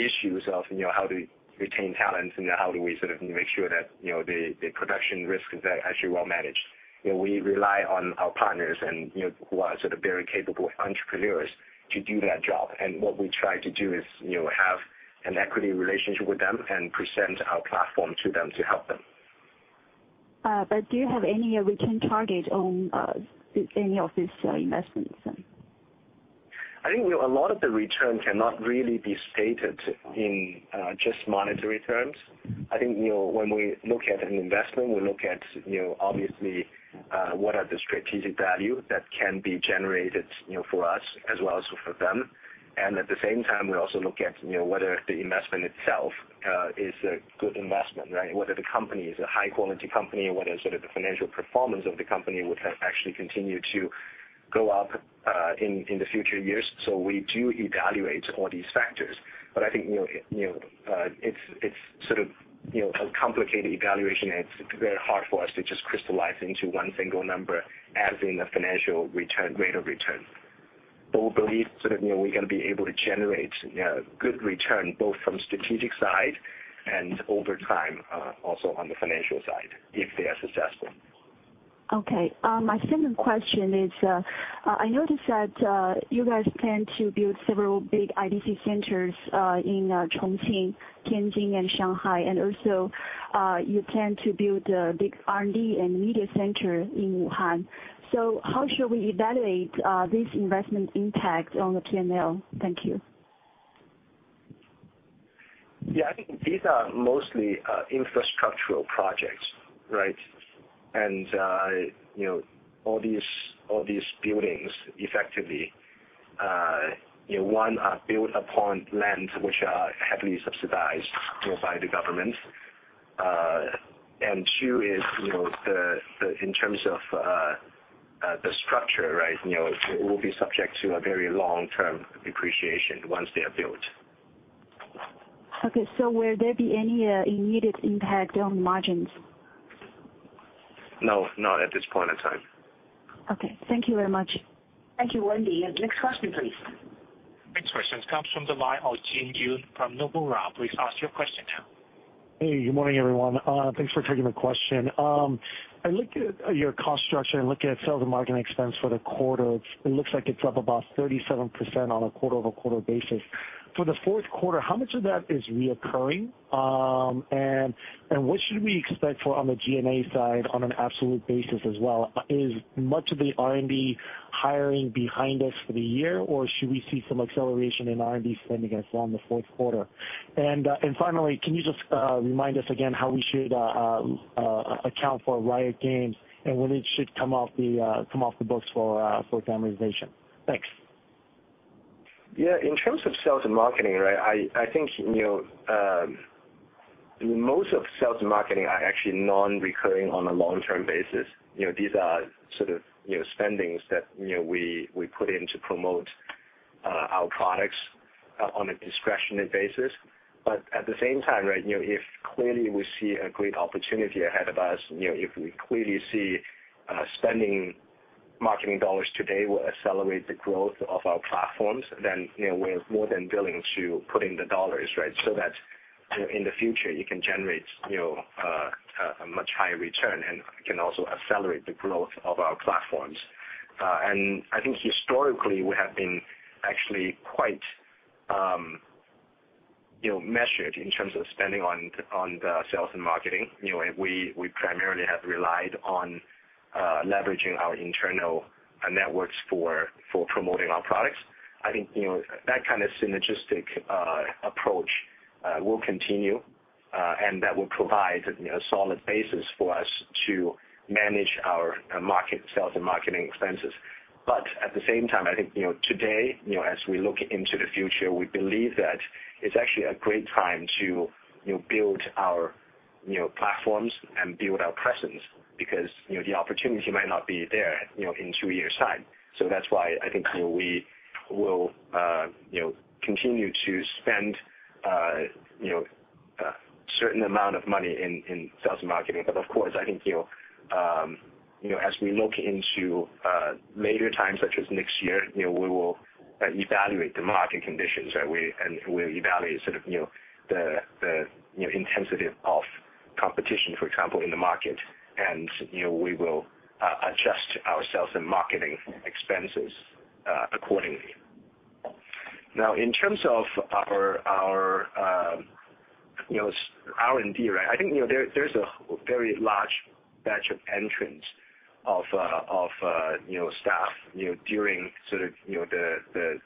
issues of how to retain talent and how do we make sure that the production risk is actually well managed. We rely on our partners who are very capable entrepreneurs to do that job. What we try to do is have an equity relationship with them and present our platform to them to help them.
Do you have any return target on any of these investments?
I think a lot of the return cannot really be stated in just monetary terms. I think when we look at an investment, we look at, obviously, what are the strategic value that can be generated for us as well as for them. At the same time, we also look at whether the investment itself is a good investment, right? Whether the company is a high-quality company, whether sort of the financial performance of the company would actually continue to go up in the future years. We do evaluate all these factors. I think it's sort of a complicated evaluation. It's very hard for us to just crystallize into one single number, as in the financial rate of return. We believe sort of we're going to be able to generate a good return both from the strategic side and over time also on the financial side if they are successful.
Okay. My second question is, I noticed that you guys plan to build several big IDC centers in Chongqing, Tianjin, and Shanghai. You also plan to build a big R&D and media center in Wuhan. How should we evaluate this investment impact on the P&L? Thank you.
Yeah, I think these are mostly infrastructural projects, right? All these buildings effectively, you know, one are built upon land which are heavily subsidized by the government, and two is, you know, in terms of the structure, right, you know, it will be subject to a very long-term depreciation once they are built.
Okay, will there be any immediate impact on margins?
No, not at this point in time.
Okay, thank you very much.
Thank you, Wendy. Next question, please.
Next question comes from the line of Jin Yoon from Nomura. Please ask your question now.
Hey, good morning, everyone. Thanks for taking my question. I looked at your cost structure and looked at sales and marketing expense for the quarter. It looks like it dropped about 37% on a quarter-over-quarter basis. For the fourth quarter, how much of that is recurring? What should we expect for on the G&A side on an absolute basis as well? Is much of the R&D hiring behind us for the year, or should we see some acceleration in R&D spending as well in the fourth quarter? Finally, can you just remind us again how we should account for Riot Games and when it should come off the books for demonetization? Thanks.
Yeah, in terms of sales and marketing, I think most of sales and marketing are actually non-recurring on a long-term basis. These are spendings that we put in to promote our products on a discretionary basis. At the same time, if clearly we see a great opportunity ahead of us, if we clearly see spending marketing dollars today will accelerate the growth of our platforms, then we're more than willing to put in the dollars so that in the future, you can generate a much higher return and can also accelerate the growth of our platforms. I think historically, we have been actually quite measured in terms of spending on the sales and marketing. We primarily have relied on leveraging our internal networks for promoting our products. I think that kind of synergistic approach will continue, and that will provide a solid basis for us to manage our market sales and marketing expenses. At the same time, I think today, as we look into the future, we believe that it's actually a great time to build our platforms and build our presence because the opportunity might not be there in two years' time. That's why I think we will continue to spend a certain amount of money in sales and marketing. Of course, I think as we look into later times such as next year, we will evaluate the market conditions, and we'll evaluate the intensity of competition, for example, in the market. We will adjust our sales and marketing expenses accordingly. Now, in terms of our R&D, I think there's a very large batch of entrants of staff during the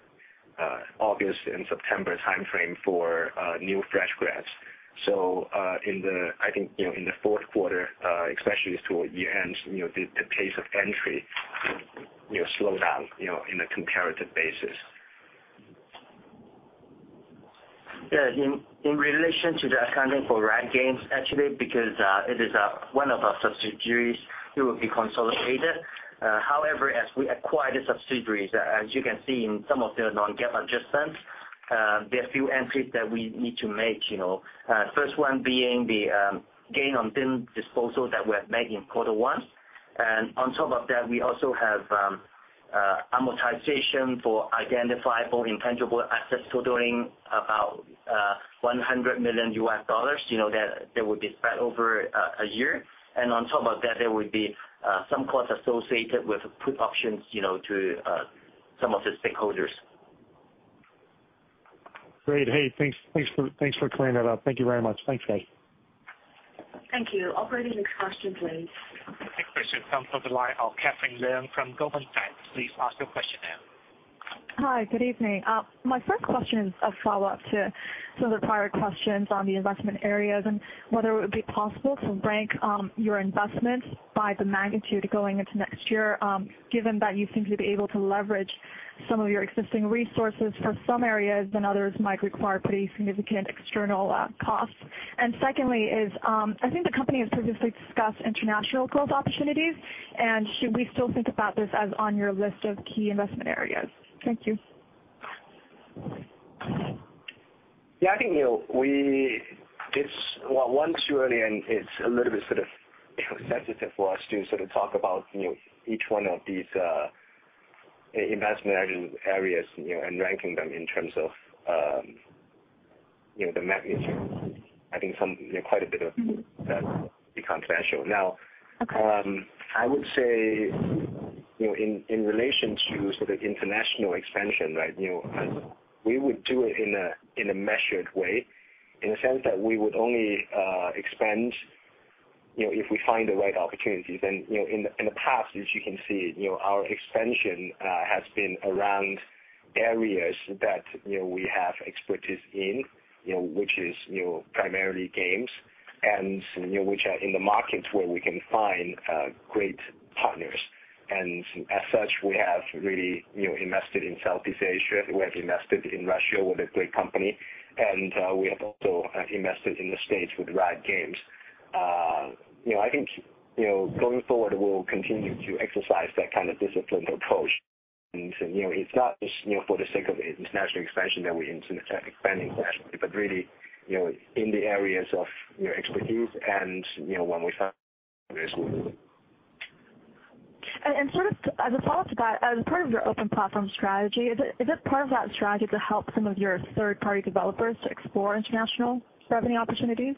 August and September timeframe for new fresh grads. In the fourth quarter, especially toward year-end, the pace of entry slowed down on a comparative basis.
Yeah, in relation to the accounting for Riot Games, actually, because it is one of our subsidiaries, it will be consolidated. However, as we acquire the subsidiaries, as you can see in some of the non-GAAP adjustments, there are a few entries that we need to make. The first one is the gain on disposal that we have made in quarter one. On top of that, we also have amortization for identifiable intangible assets totaling about $100 million that will be spread over a year. On top of that, there will be some costs associated with put options to some of the stakeholders.
Great. Hey, thanks for clearing that up. Thank you very much. Thanks, guys.
Thank you. Operator, next question, please.
Next question comes from the line of Catherine Leung from Goldman Sachs. Please ask your question now.
Hi. Good evening. My first question is a follow-up to some of the prior questions on the investment areas and whether it would be possible to rank your investments by the magnitude going into next year, given that you think you'd be able to leverage some of your existing resources for some areas and others might require pretty significant external costs. Secondly, I think the company has previously discussed international growth opportunities. Should we still think about this as on your list of key investment areas? Thank you.
Yeah, I think we did well, one, too early, and it's a little bit sort of sensitive for us to talk about each one of these investment areas and ranking them in terms of the magnitude. I think quite a bit of it's confidential. I would say, in relation to international expansion, we would do it in a measured way in the sense that we would only expand if we find the right opportunity. In the past, as you can see, our expansion has been around areas that we have expertise in, which is primarily games, and which are in the markets where we can find great partners. As such, we have really invested in Southeast Asia. We have invested in Russia with a great company. We have also invested in the States with Riot Games. I think, going forward, we'll continue to exercise that kind of discipline or code. It's not just for the sake of international expansion that we're expanding that, but really in the areas of expertise and, you know, one more time. Absolutely.
As a follow-up to that, as part of your open platform strategy, is it part of that strategy to help some of your third-party developers to explore international revenue opportunities?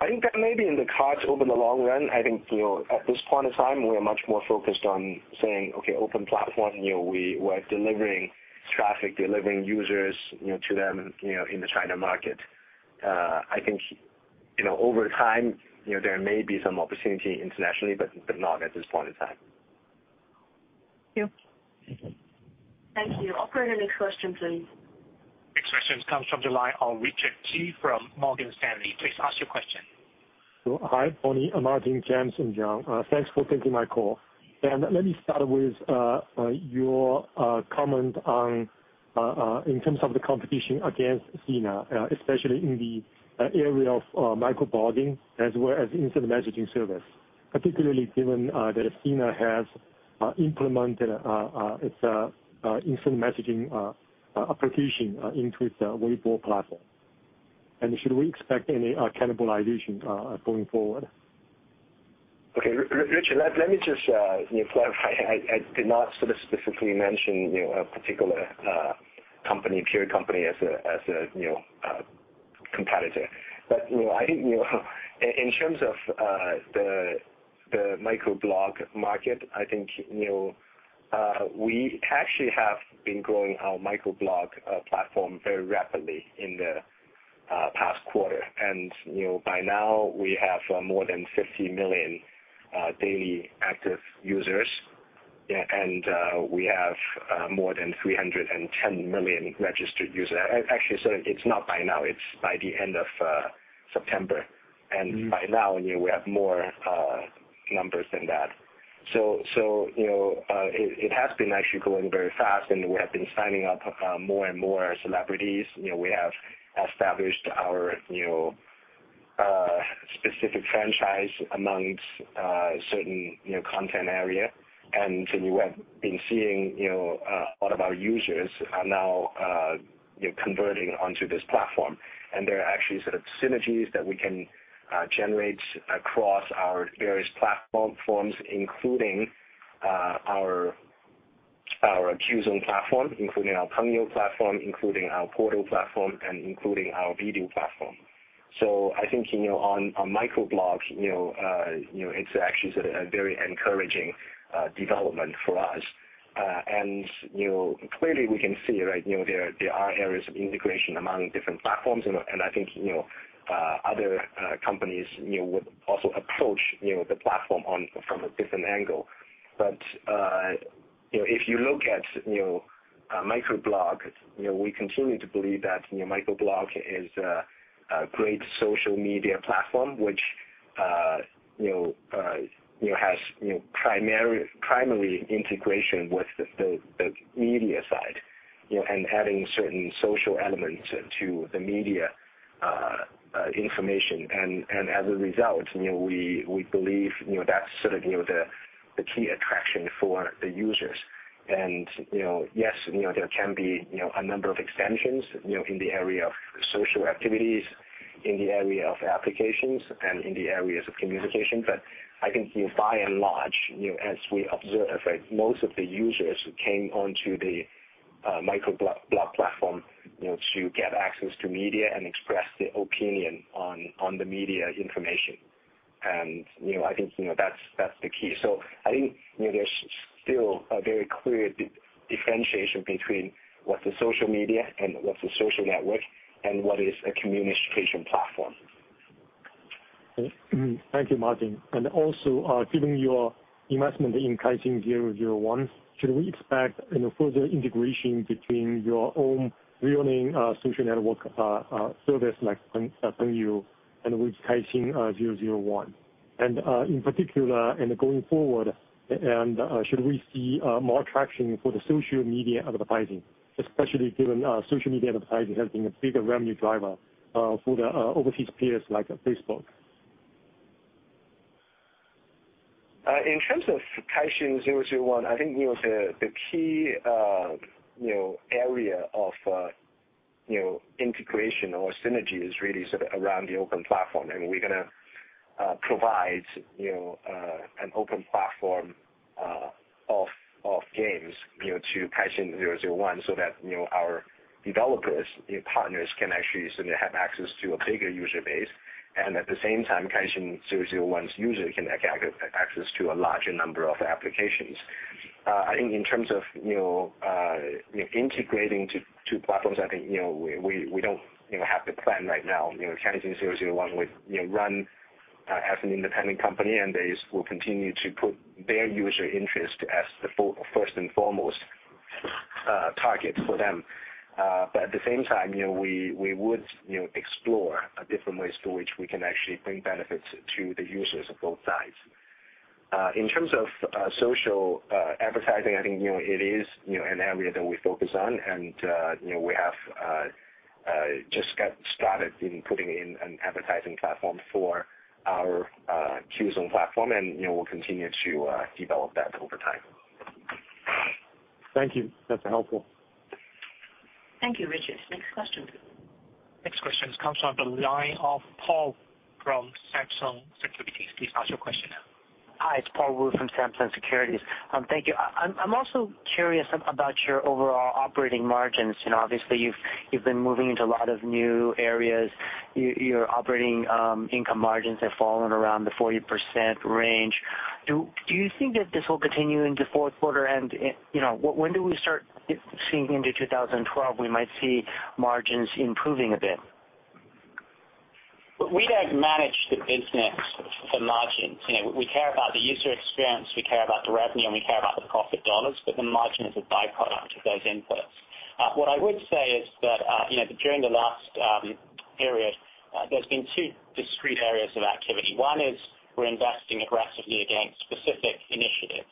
I think that may be in the cards over the long run. At this point in time, we are much more focused on saying, "Okay, open platform, we're delivering traffic, delivering users to them in the China market." Over time, there may be some opportunity internationally, but not at this point in time.
Thank you.
Thank you. Operator, next question, please.
Next question comes from the line of Richard T. from Morgan Stanley. Please ask your question.
Hi, Tony, Martin, James, and John. Thanks for taking my call. Let me start with your comment on, in terms of the competition against Sina, especially in the area of microblogging as well as instant messaging service, particularly given that Sina has implemented its instant messaging application into its Weibo platform. Should we expect any cannibalization going forward?
Okay, Richard, let me just clarify. I did not specifically mention a particular company, peer company as a competitor. I think in terms of the microblog market, we actually have been growing our microblog platform very rapidly in the past quarter. By now, we have more than 50 million daily active users, and we have more than 310 million registered users. Actually, it's not by now, it's by the end of September. By now, we have more numbers than that. It has been going very fast, and we have been signing up more and more celebrities. We have established our specific franchise amongst a certain content area. We have been seeing all of our users are now converting onto this platform. There are actually synergies that we can generate across our various platforms, including our Qzone platform, including our Pengyou platform, including our portal platform, and including our video platform. I think on microblog, it's actually a very encouraging development for us. Clearly, we can see there are areas of integration among different platforms. I think other companies would also approach the platform from a different angle. If you look at microblog, we continue to believe that microblog is a great social media platform, which has primary integration with the media side and adding certain social elements to the media information. As a result, we believe that's the key attraction for the users. Yes, there can be a number of extensions in the area of social activities, in the area of applications, and in the areas of communication. I think by and large, as we observe, most of the users came onto the microblog platform to get access to media and express their opinion on the media information. I think that's the key. I think there's still a very clear differentiation between what's a social media and what's a social network and what is a communication platform.
Thank you, Martin. Given your investment in Kaixin001, should we expect further integration between your own real name social network service like Pengyou and with Kaixin001? In particular, going forward, should we see more traction for the social media advertising, especially given social media advertising has been a bigger revenue driver for the overseas peers like Facebook?
In terms of Kaixin001, I think the key area of integration or synergy is really sort of around the open platform. We're going to provide an open platform of games to Kaixin001 so that our developers and partners can actually have access to a bigger user base. At the same time, Kaixin001's users can get access to a larger number of applications. I think in terms of integrating two platforms, we don't have the plan right now. Kaixin001 will run as an independent company, and they will continue to put their user interest as the first and foremost target for them. At the same time, we would explore different ways for which we can actually bring benefits to the users of both sides. In terms of social advertising, I think it is an area that we focus on. We have just got started in putting in an advertising platform for our Qzone platform, and we'll continue to develop that over time.
Thank you. That's helpful.
Thank you, Richard. Next question.
Next question comes from the line of Paul Wuh from Samsung Securities. Please ask your question now.
Hi, it's Paul Wuh from Samsung Securities. Thank you. I'm also curious about your overall operating margins. Obviously, you've been moving into a lot of new areas. Your operating income margins have fallen around the 40% range. Do you think that this will continue into the fourth quarter? When do we start seeing into 2012 we might see margins improving a bit?
We don't manage the business for margins. You know, we care about the user experience. We care about the revenue, and we care about the profit dollars. The margin is a byproduct of those inputs. What I would say is that during the last period, there's been two discrete areas of activity. One is we're investing aggressively against specific initiatives.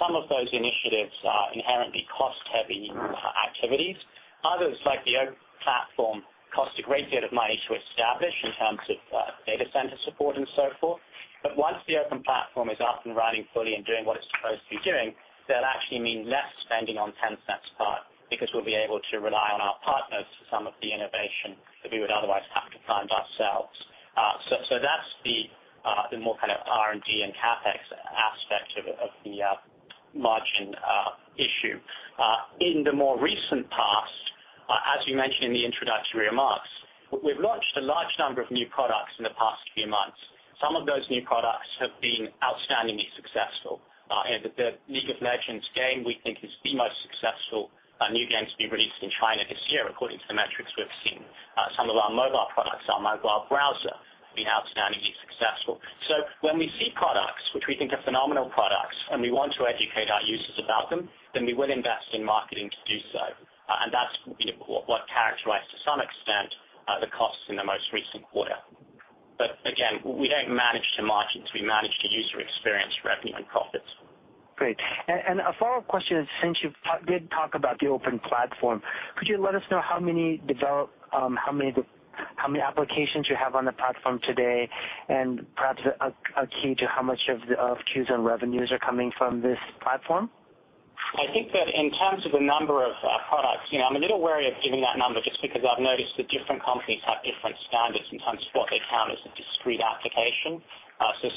Some of those initiatives are inherently cost-heavy activities. Others, like the open platform, cost a great deal of money to establish in terms of data center support and so forth. Once the open platform is up and running fully and doing what it's supposed to be doing, that'll actually mean less spending on Tencent's part because we'll be able to rely on our partners for some of the innovation that we would otherwise have to find ourselves. That's the more kind of R&D and CapEx aspect of the margin issue. In the more recent past, as you mentioned in the introductory remarks, we've launched a large number of new products in the past few months. Some of those new products have been outstandingly successful. The League of Legends game, we think, is the most successful new game to be released in China this year, according to the metrics we've seen. Some of our mobile products, our mobile browser, have been outstandingly successful. When we see products, which we think are phenomenal products, and we want to educate our users about them, then we will invest in marketing to do so. That's what characterizes, to some extent, the costs in the most recent quarter. Again, we don't manage to margins. We manage to user experience, revenue, and profits.
Great. A follow-up question is, since you did talk about the open platform, could you let us know how many applications you have on the platform today and perhaps a key to how much of the Qzone revenues are coming from this platform?
I think that in terms of the number of products, I'm a little wary of giving that number just because I've noticed that different companies have different standards in terms of what they've found as a discrete application.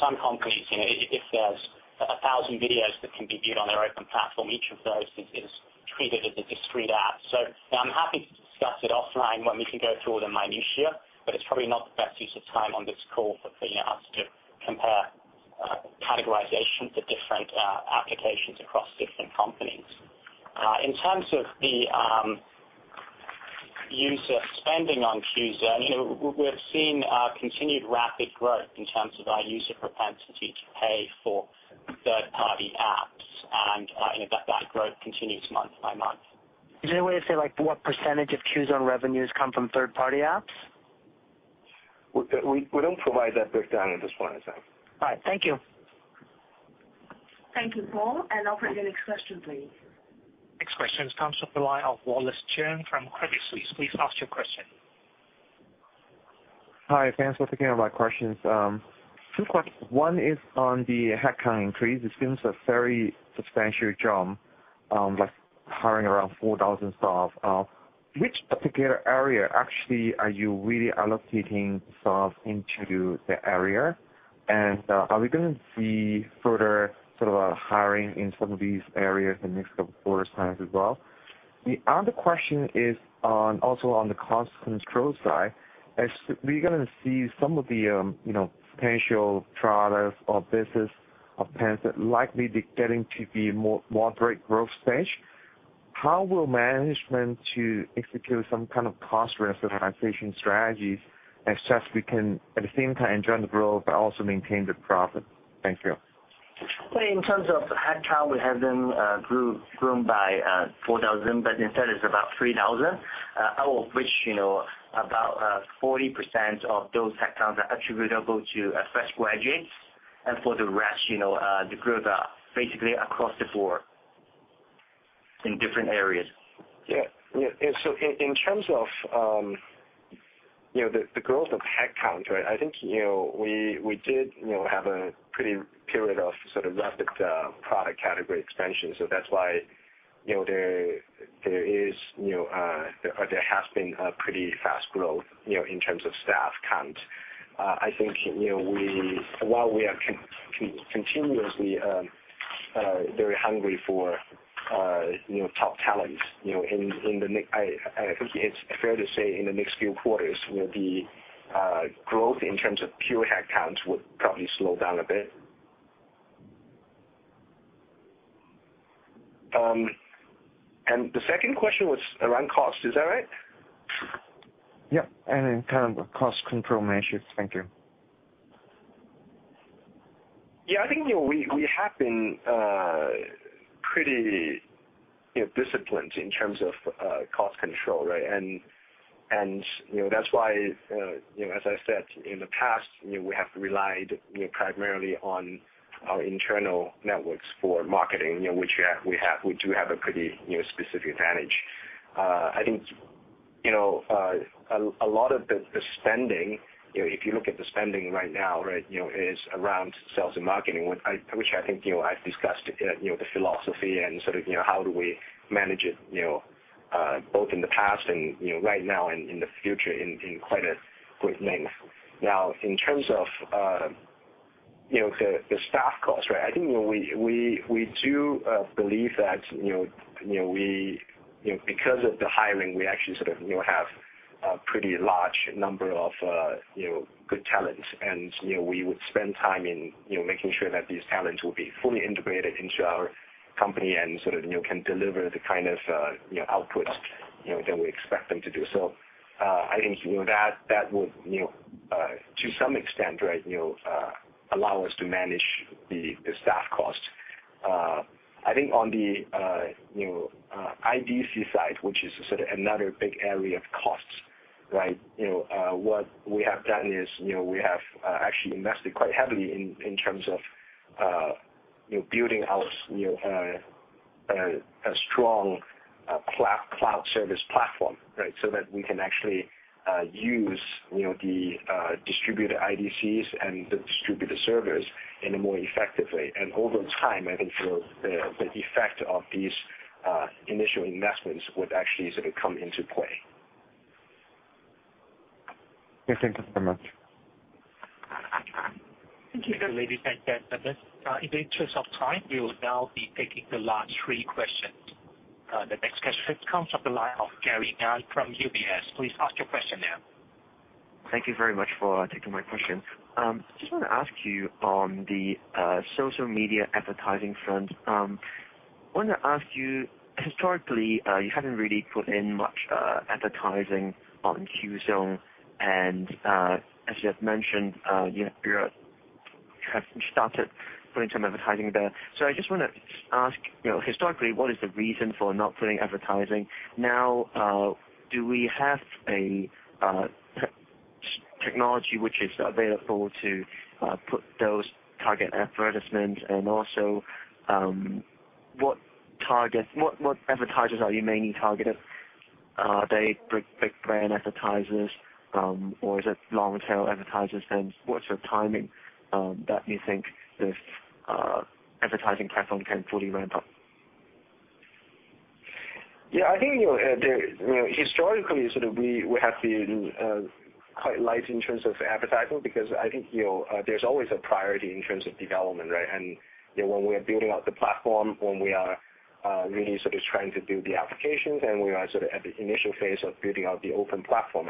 Some companies, if there's 1,000 videos that can be viewed on their open platform, each of those is treated as a discrete app. I'm happy to discuss it offline when we can go through all the minutia, but it's probably not the best use of time on this call for us to compare categorizations of different applications across different companies. In terms of the user spending on Qzone, we've seen continued rapid growth in terms of our user propensity to pay for third-party apps, and that growth continues month by month.
Is there a way to say what percentage of Qzone revenues come from third-party apps?
We don't provide that breakdown at this point in time.
All right. Thank you.
Thank you, Paul. Operator, next question, please.
Next question comes from the line of Wallace Cheung from Credit Suisse. Please ask your question.
Hi, thanks for taking my questions. One is on the headcount increase. It seems a very substantial jump, like hiring around 4,000 staff. Which particular area actually are you really allocating staff into the area? Are we going to see further sort of hiring in some of these areas in the next couple of quarters' time as well? The other question is also on the cost control side. We're going to see some of the potential products or businesses of Tencent likely getting to be a more moderate growth stage. How will management execute some kind of cost-research-advantage strategies as such we can at the same time enjoy the growth but also maintain the profit? Thank you.
In terms of headcount, we have them groomed by 4,000, but instead, it's about 3,000, out of which, you know, about 40% of those headcounts are attributable to fresh graduates. For the rest, you know, the growth is basically across the board in different areas.
Yeah. In terms of the growth of headcount, I think we did have a pretty period of sort of rapid product category expansion. That's why there has been a pretty fast growth in terms of staff count. I think while we are continuously very hungry for top talents, in the next, I think it's fair to say in the next few quarters, the growth in terms of pure headcount would probably slow down a bit. The second question was around cost. Is that right?
Yeah. In terms of cost control metrics, thank you.
Yeah, I think we have been pretty disciplined in terms of cost control, right? That's why, as I said in the past, we have relied primarily on our internal networks for marketing, which we do have a pretty specific advantage. I think a lot of the spending, if you look at the spending right now, is around sales and marketing, which I think I've discussed, the philosophy and sort of how do we manage it, both in the past and right now and in the future in quite a good manner. Now, in terms of the staff cost, right, I think we do believe that, because of the hiring, we actually sort of have a pretty large number of good talents. We would spend time in making sure that these talents will be fully integrated into our company and sort of can deliver the kind of outputs that we expect them to do. I think that would, to some extent, allow us to manage the staff cost. I think on the IDC side, which is sort of another big area of costs, what we have done is we have actually invested quite heavily in terms of building out a strong cloud service platform, right, so that we can actually use the distributed IDCs and the distributed servers in a more effective way. Over time, I think the effect of these initial investments would actually sort of come into play.
Okay, thank you so much.
Thank you, Mr. Lo. Thank you again. In the interest of time, we will now be taking the last three questions. The next question. On the line, Gary Ng from UBS. Please ask your question now.
Thank you very much for taking my question. I just want to ask you on the social media advertising front. I want to ask you, historically, you haven't really put in much advertising on Qzone. As you have mentioned, you have started putting some advertising there. I just want to ask, historically, what is the reason for not putting advertising? Now, do we have a technology which is available to put those target advertisements? Also, what targets, what advertisers are you mainly targeting? Are they big brand advertisers, or is it long-tail advertisers? What's your timing, that you think this advertising platform can fully ramp up?
I think, historically, we have been quite light in terms of advertising because there's always a priority in terms of development, right? When we are building out the platform, when we are really trying to do the application, then we are at the initial phase of building out the open platform.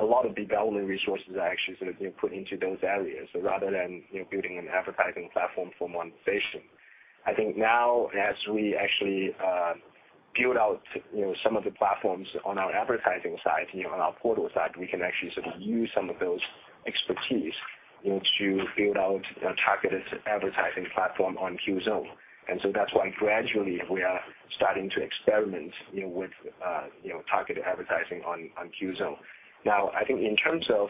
A lot of development resources are actually put into those areas rather than building an advertising platform for monetization. Now, as we actually build out some of the platforms on our advertising side, on our portal side, we can actually use some of those expertise to build out a targeted advertising platform on Qzone. That's why gradually we are starting to experiment with targeted advertising on Qzone. In terms of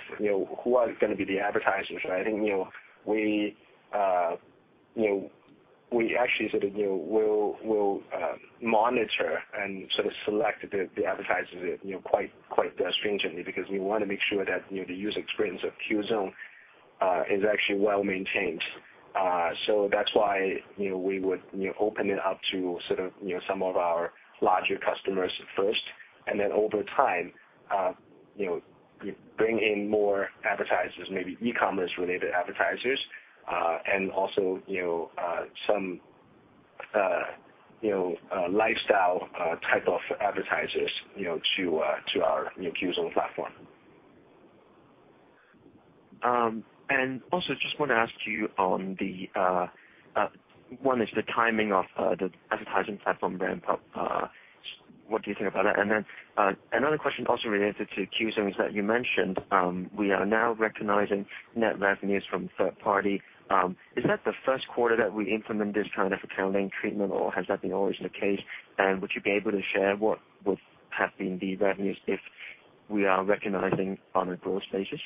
who are going to be the advertisers, we actually will monitor and select the advertisers quite stringently because we want to make sure that the user experience of Qzone is actually well maintained. That's why we would open it up to some of our larger customers first. Over time, we bring in more advertisers, maybe e-commerce-related advertisers, and also some lifestyle type of advertisers to our Qzone platform.
I just want to ask you on the timing of the advertising platform ramp up. What do you think about that? Another question also related to Qzone is that you mentioned we are now recognizing net revenues from third party. Is that the first quarter that we implement this kind of accounting treatment, or has that been always the case? Would you be able to share what would have been the revenues if we are recognizing on a broad basis?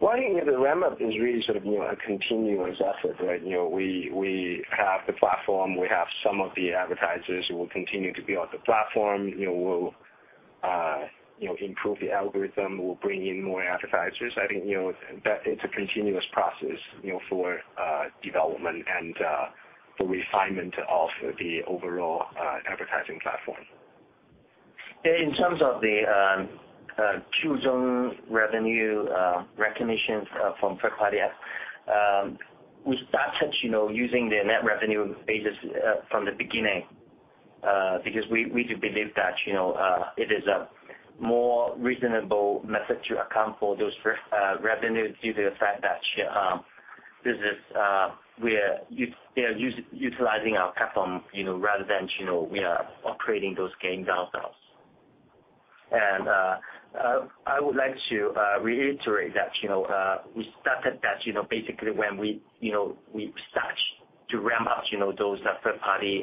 Thanks.
I think the ramp up is really a continuous effort, right? We have the platform. We have some of the advertisers who will continue to be on the platform. We'll improve the algorithm. We'll bring in more advertisers. I think that it's a continuous process for development and the refinement of the overall advertising platform.
Yeah, in terms of the Qzone revenue recognition from third party, we started using the net revenue ages from the beginning because we do believe that it is a more reasonable method to account for those revenues due to the fact that this is where they are utilizing our platform, rather than we are operating those gain downsides. I would like to reiterate that we started that basically when we started to ramp up those third party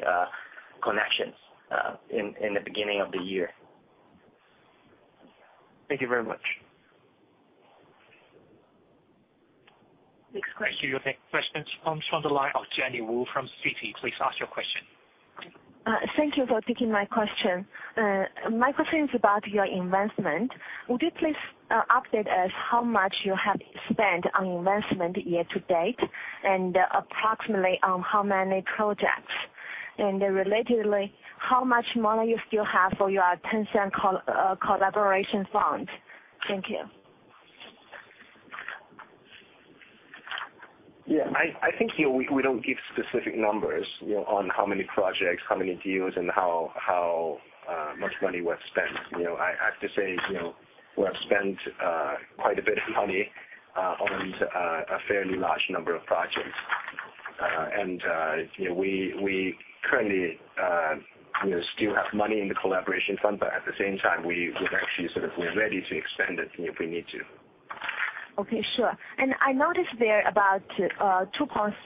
connections in the beginning of the year.
Thank you very much.
Next question.
Thank you. Questions from the line of Jenny Wu from Citi. Please ask your question.
Thank you for taking my question. My question is about your investment. Would you please update us how much you have spent on investment year to date and approximately on how many projects? Relatedly, how much money you still have for your Tencent Collaboration Fund? Thank you.
I think, you know, we don't give specific numbers on how many projects, how many deals, and how much money we have spent. I have to say, you know, we have spent quite a bit of money on these, a fairly large number of projects. You know, we currently still have money in the collaboration fund, but at the same time, we're ready to extend it if we need to.
Okay. Sure. I noticed there are about 2.3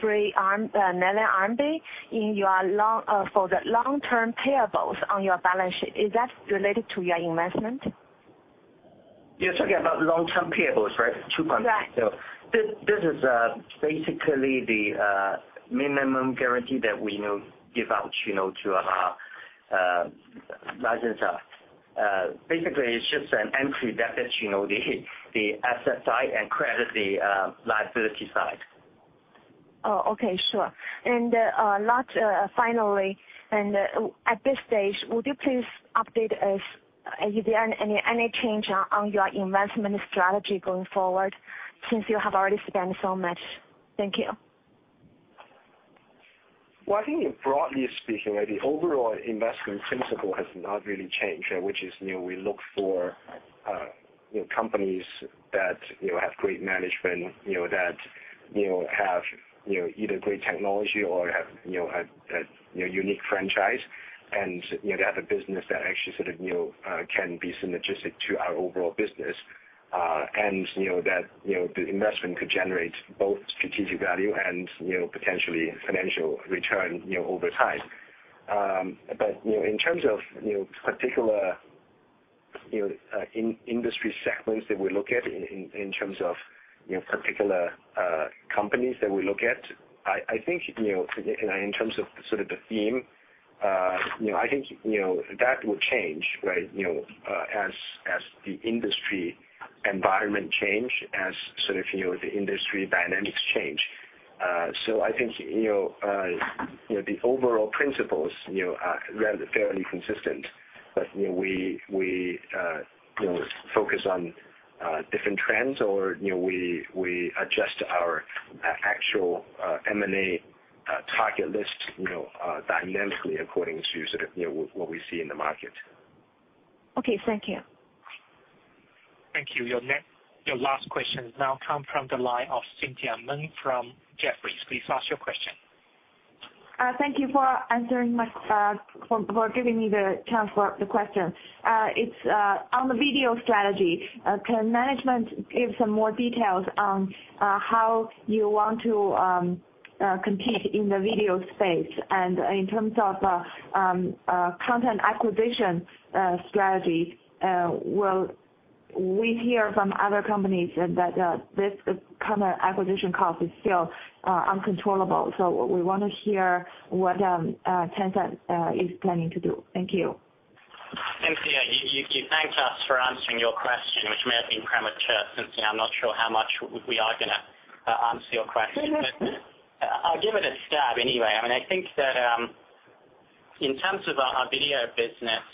million RMB in your long-term payables on your balance sheet. Is that related to your investment?
Yeah, talking about long-term payables, right?
Right.
This is basically the minimum guarantee that we give out to our licensor. Basically, it's just an entry that is the asset side and credit the liability side.
Okay. Sure. Finally, at this stage, would you please update us if there are any changes on your investment strategy going forward since you have already spent so much? Thank you.
I think, broadly speaking, the overall investment principle has not really changed, which is, we look for companies that have great management, that have either great technology or have a unique franchise. They have a business that actually can be synergistic to our overall business, and the investment could generate both strategic value and potentially financial return over time. In terms of particular in-industry segments that we look at, in terms of particular companies that we look at, and in terms of the theme, that would change as the industry environment changes, as the industry dynamics change. I think the overall principles are rather fairly consistent. We focus on different trends, or we adjust our actual M&A target list dynamically according to what we see in the market.
Okay, thank you.
Thank you. Your last question now comes from the line of Cynthia Meng from Jefferies. Please ask your question.
Thank you for answering my, for giving me the chance for the question. It's on the video strategy. Can management give some more details on how you want to compete in the video space? In terms of content acquisition strategy, we hear from other companies that this content acquisition cost is still uncontrollable. We want to hear what Tencent is planning to do. Thank you.
Yeah, you thanked us for answering your question, which may have been premature, since I'm not sure how much we are going to answer your question. I'll give it a stab anyway. I think that, in terms of our video business,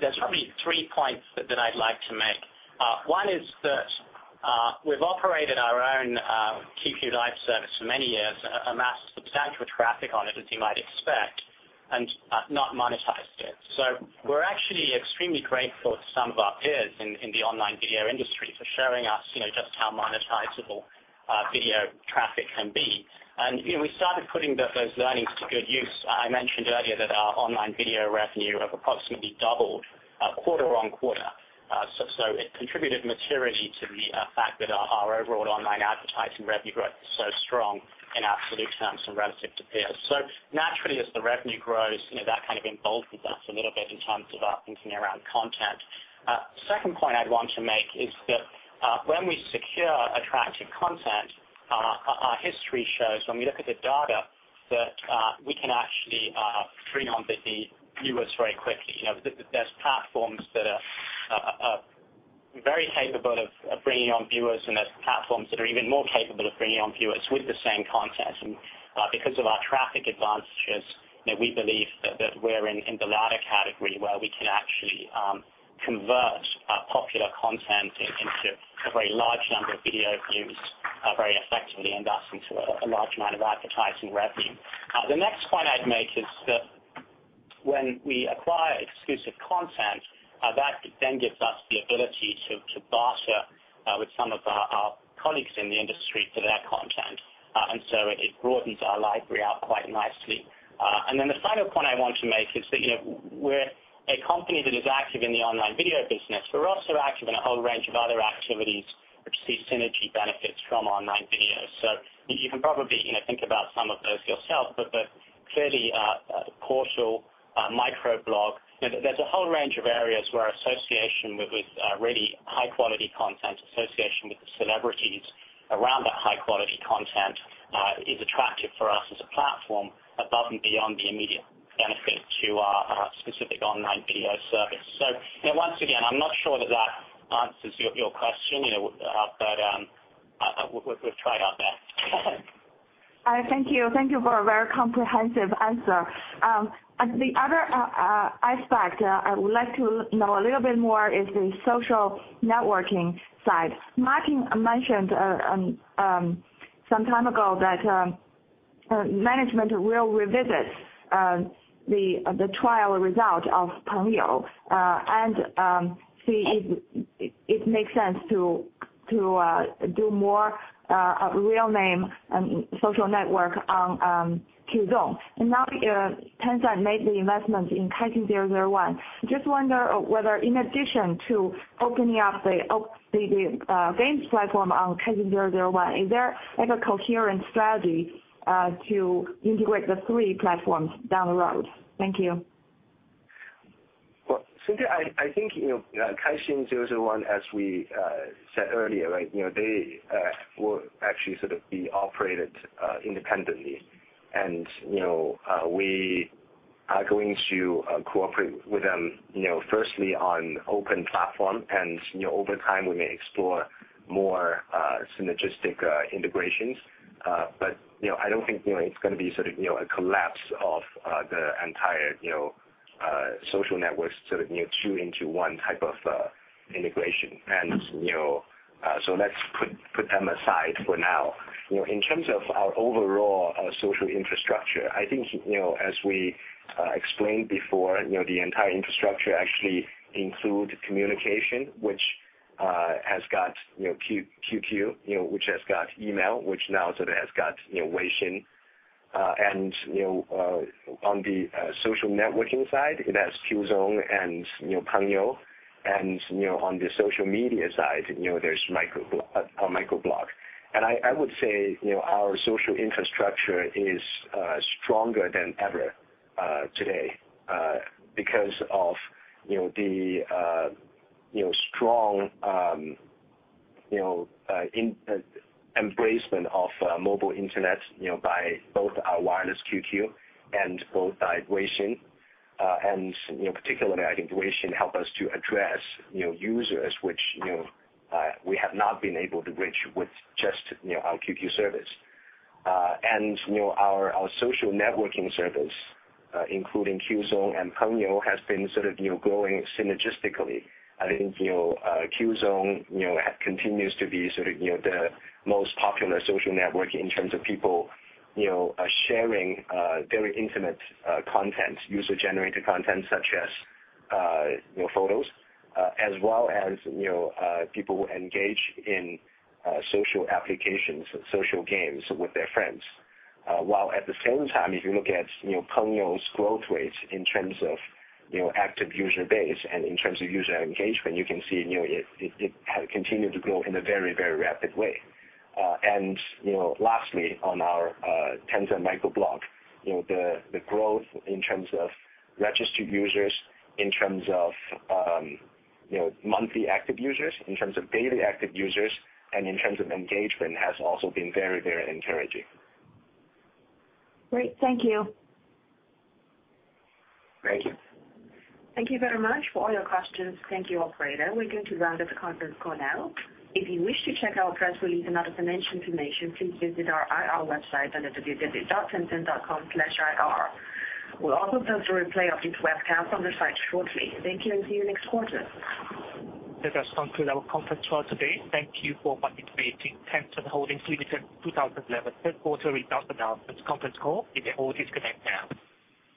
there's probably three points that I'd like to make. One is that we've operated our own QQ Live service for many years, amassed substantial traffic on it, as you might expect, and not monetized it. We're actually extremely grateful to some of our peers in the online video industry for showing us just how monetizable video traffic can be. We started putting those learnings to good use. I mentioned earlier that our online video revenue have approximately doubled, quarter on quarter, so it contributed materially to the fact that our overall online advertising revenue growth is so strong in absolute terms and relative to peers. Naturally, as the revenue grows, that kind of emboldens us a little bit in terms of thinking around content. The second point I'd want to make is that when we secure attractive content, our history shows when we look at the data that we can actually bring on busy viewers very quickly. There's platforms that are very capable of bringing on viewers, and there's platforms that are even more capable of bringing on viewers with the same content. Because of our traffic advantages, we believe that we're in the latter category where we can actually convert popular content into a very large number of video views very effectively, and thus into a large amount of advertising revenue. The next point I'd make is that when we acquire exclusive content, that then gives us the ability to barter with some of our colleagues in the industry for their content, and it broadens our library out quite nicely. The final point I want to make is that we're a company that is active in the online video business. We're also active in a whole range of other activities that seek synergy benefits from online videos. You can probably think about some of those yourself, but clearly, a social, microblog, there's a whole range of areas where association with really high-quality content, association with the celebrities around that high-quality content, is attractive for us as a platform above and beyond the immediate benefit to our specific online video service. Once again, I'm not sure that answers your question, but we've tried our best.
Thank you. Thank you for a very comprehensive answer. The other aspect I would like to know a little bit more is the social networking side. Martin mentioned some time ago that management will revisit the trial result of Pengyou and see if it makes sense to do more real name and social network on Qzone. Now, Tencent made the investment in Kaixin001. Just wonder, whether in addition to opening up the games platform on Kaixin001, is there ever a coherent strategy to integrate the three platforms down the road? Thank you.
Cynthia, I think, you know, as we said earlier, right, they will actually sort of be operated independently. You know, we are going to cooperate with them, firstly on open platform. Over time, we may explore more synergistic integrations. I don't think it's going to be sort of a collapse of the entire social networks, sort of two into one type of integration. Let's put them aside for now. In terms of our overall social infrastructure, I think, as we explained before, the entire infrastructure actually includes communication, which has got QQ, which has got email, which now sort of has got Weixin. On the social networking side, it has Qzone and Pengyou. On the social media side, there's microblog. I would say our social infrastructure is stronger than ever today because of the strong embracement of mobile internet by both our Wireless QQ and both by Weixin. Particularly, I think Weixin helped us to address users which we have not been able to reach with just our QQ Service. Our social networking service, including Qzone and Pengyou, has been sort of growing synergistically. I think Qzone continues to be the most popular social network in terms of people sharing very intimate content, user-generated content such as photos, as well as people who engage in social applications, social games with their friends. At the same time, if you look at Pengyou's growth rates in terms of active user base and in terms of user engagement, you can see it has continued to grow in a very, very rapid way. Lastly, on our Tencent Microblog, the growth in terms of registered users, in terms of monthly active users, in terms of daily active users, and in terms of engagement has also been very, very encouraging.
Great. Thank you.
Thank you.
Thank you very much for all your questions. Thank you, operator. We're going to run this conference call now. If you wish to check out press release and other financial information, please visit our IR website under www.tencent.com/ir. We'll also post a replay of this webcast on the site shortly. Thank you and see you next quarter.
That has gone through our conference call today. Thank you for participating. Tencent Holdings Limited, 2011. Headquartered in (Shenzhen). This conference call is a holding connect app.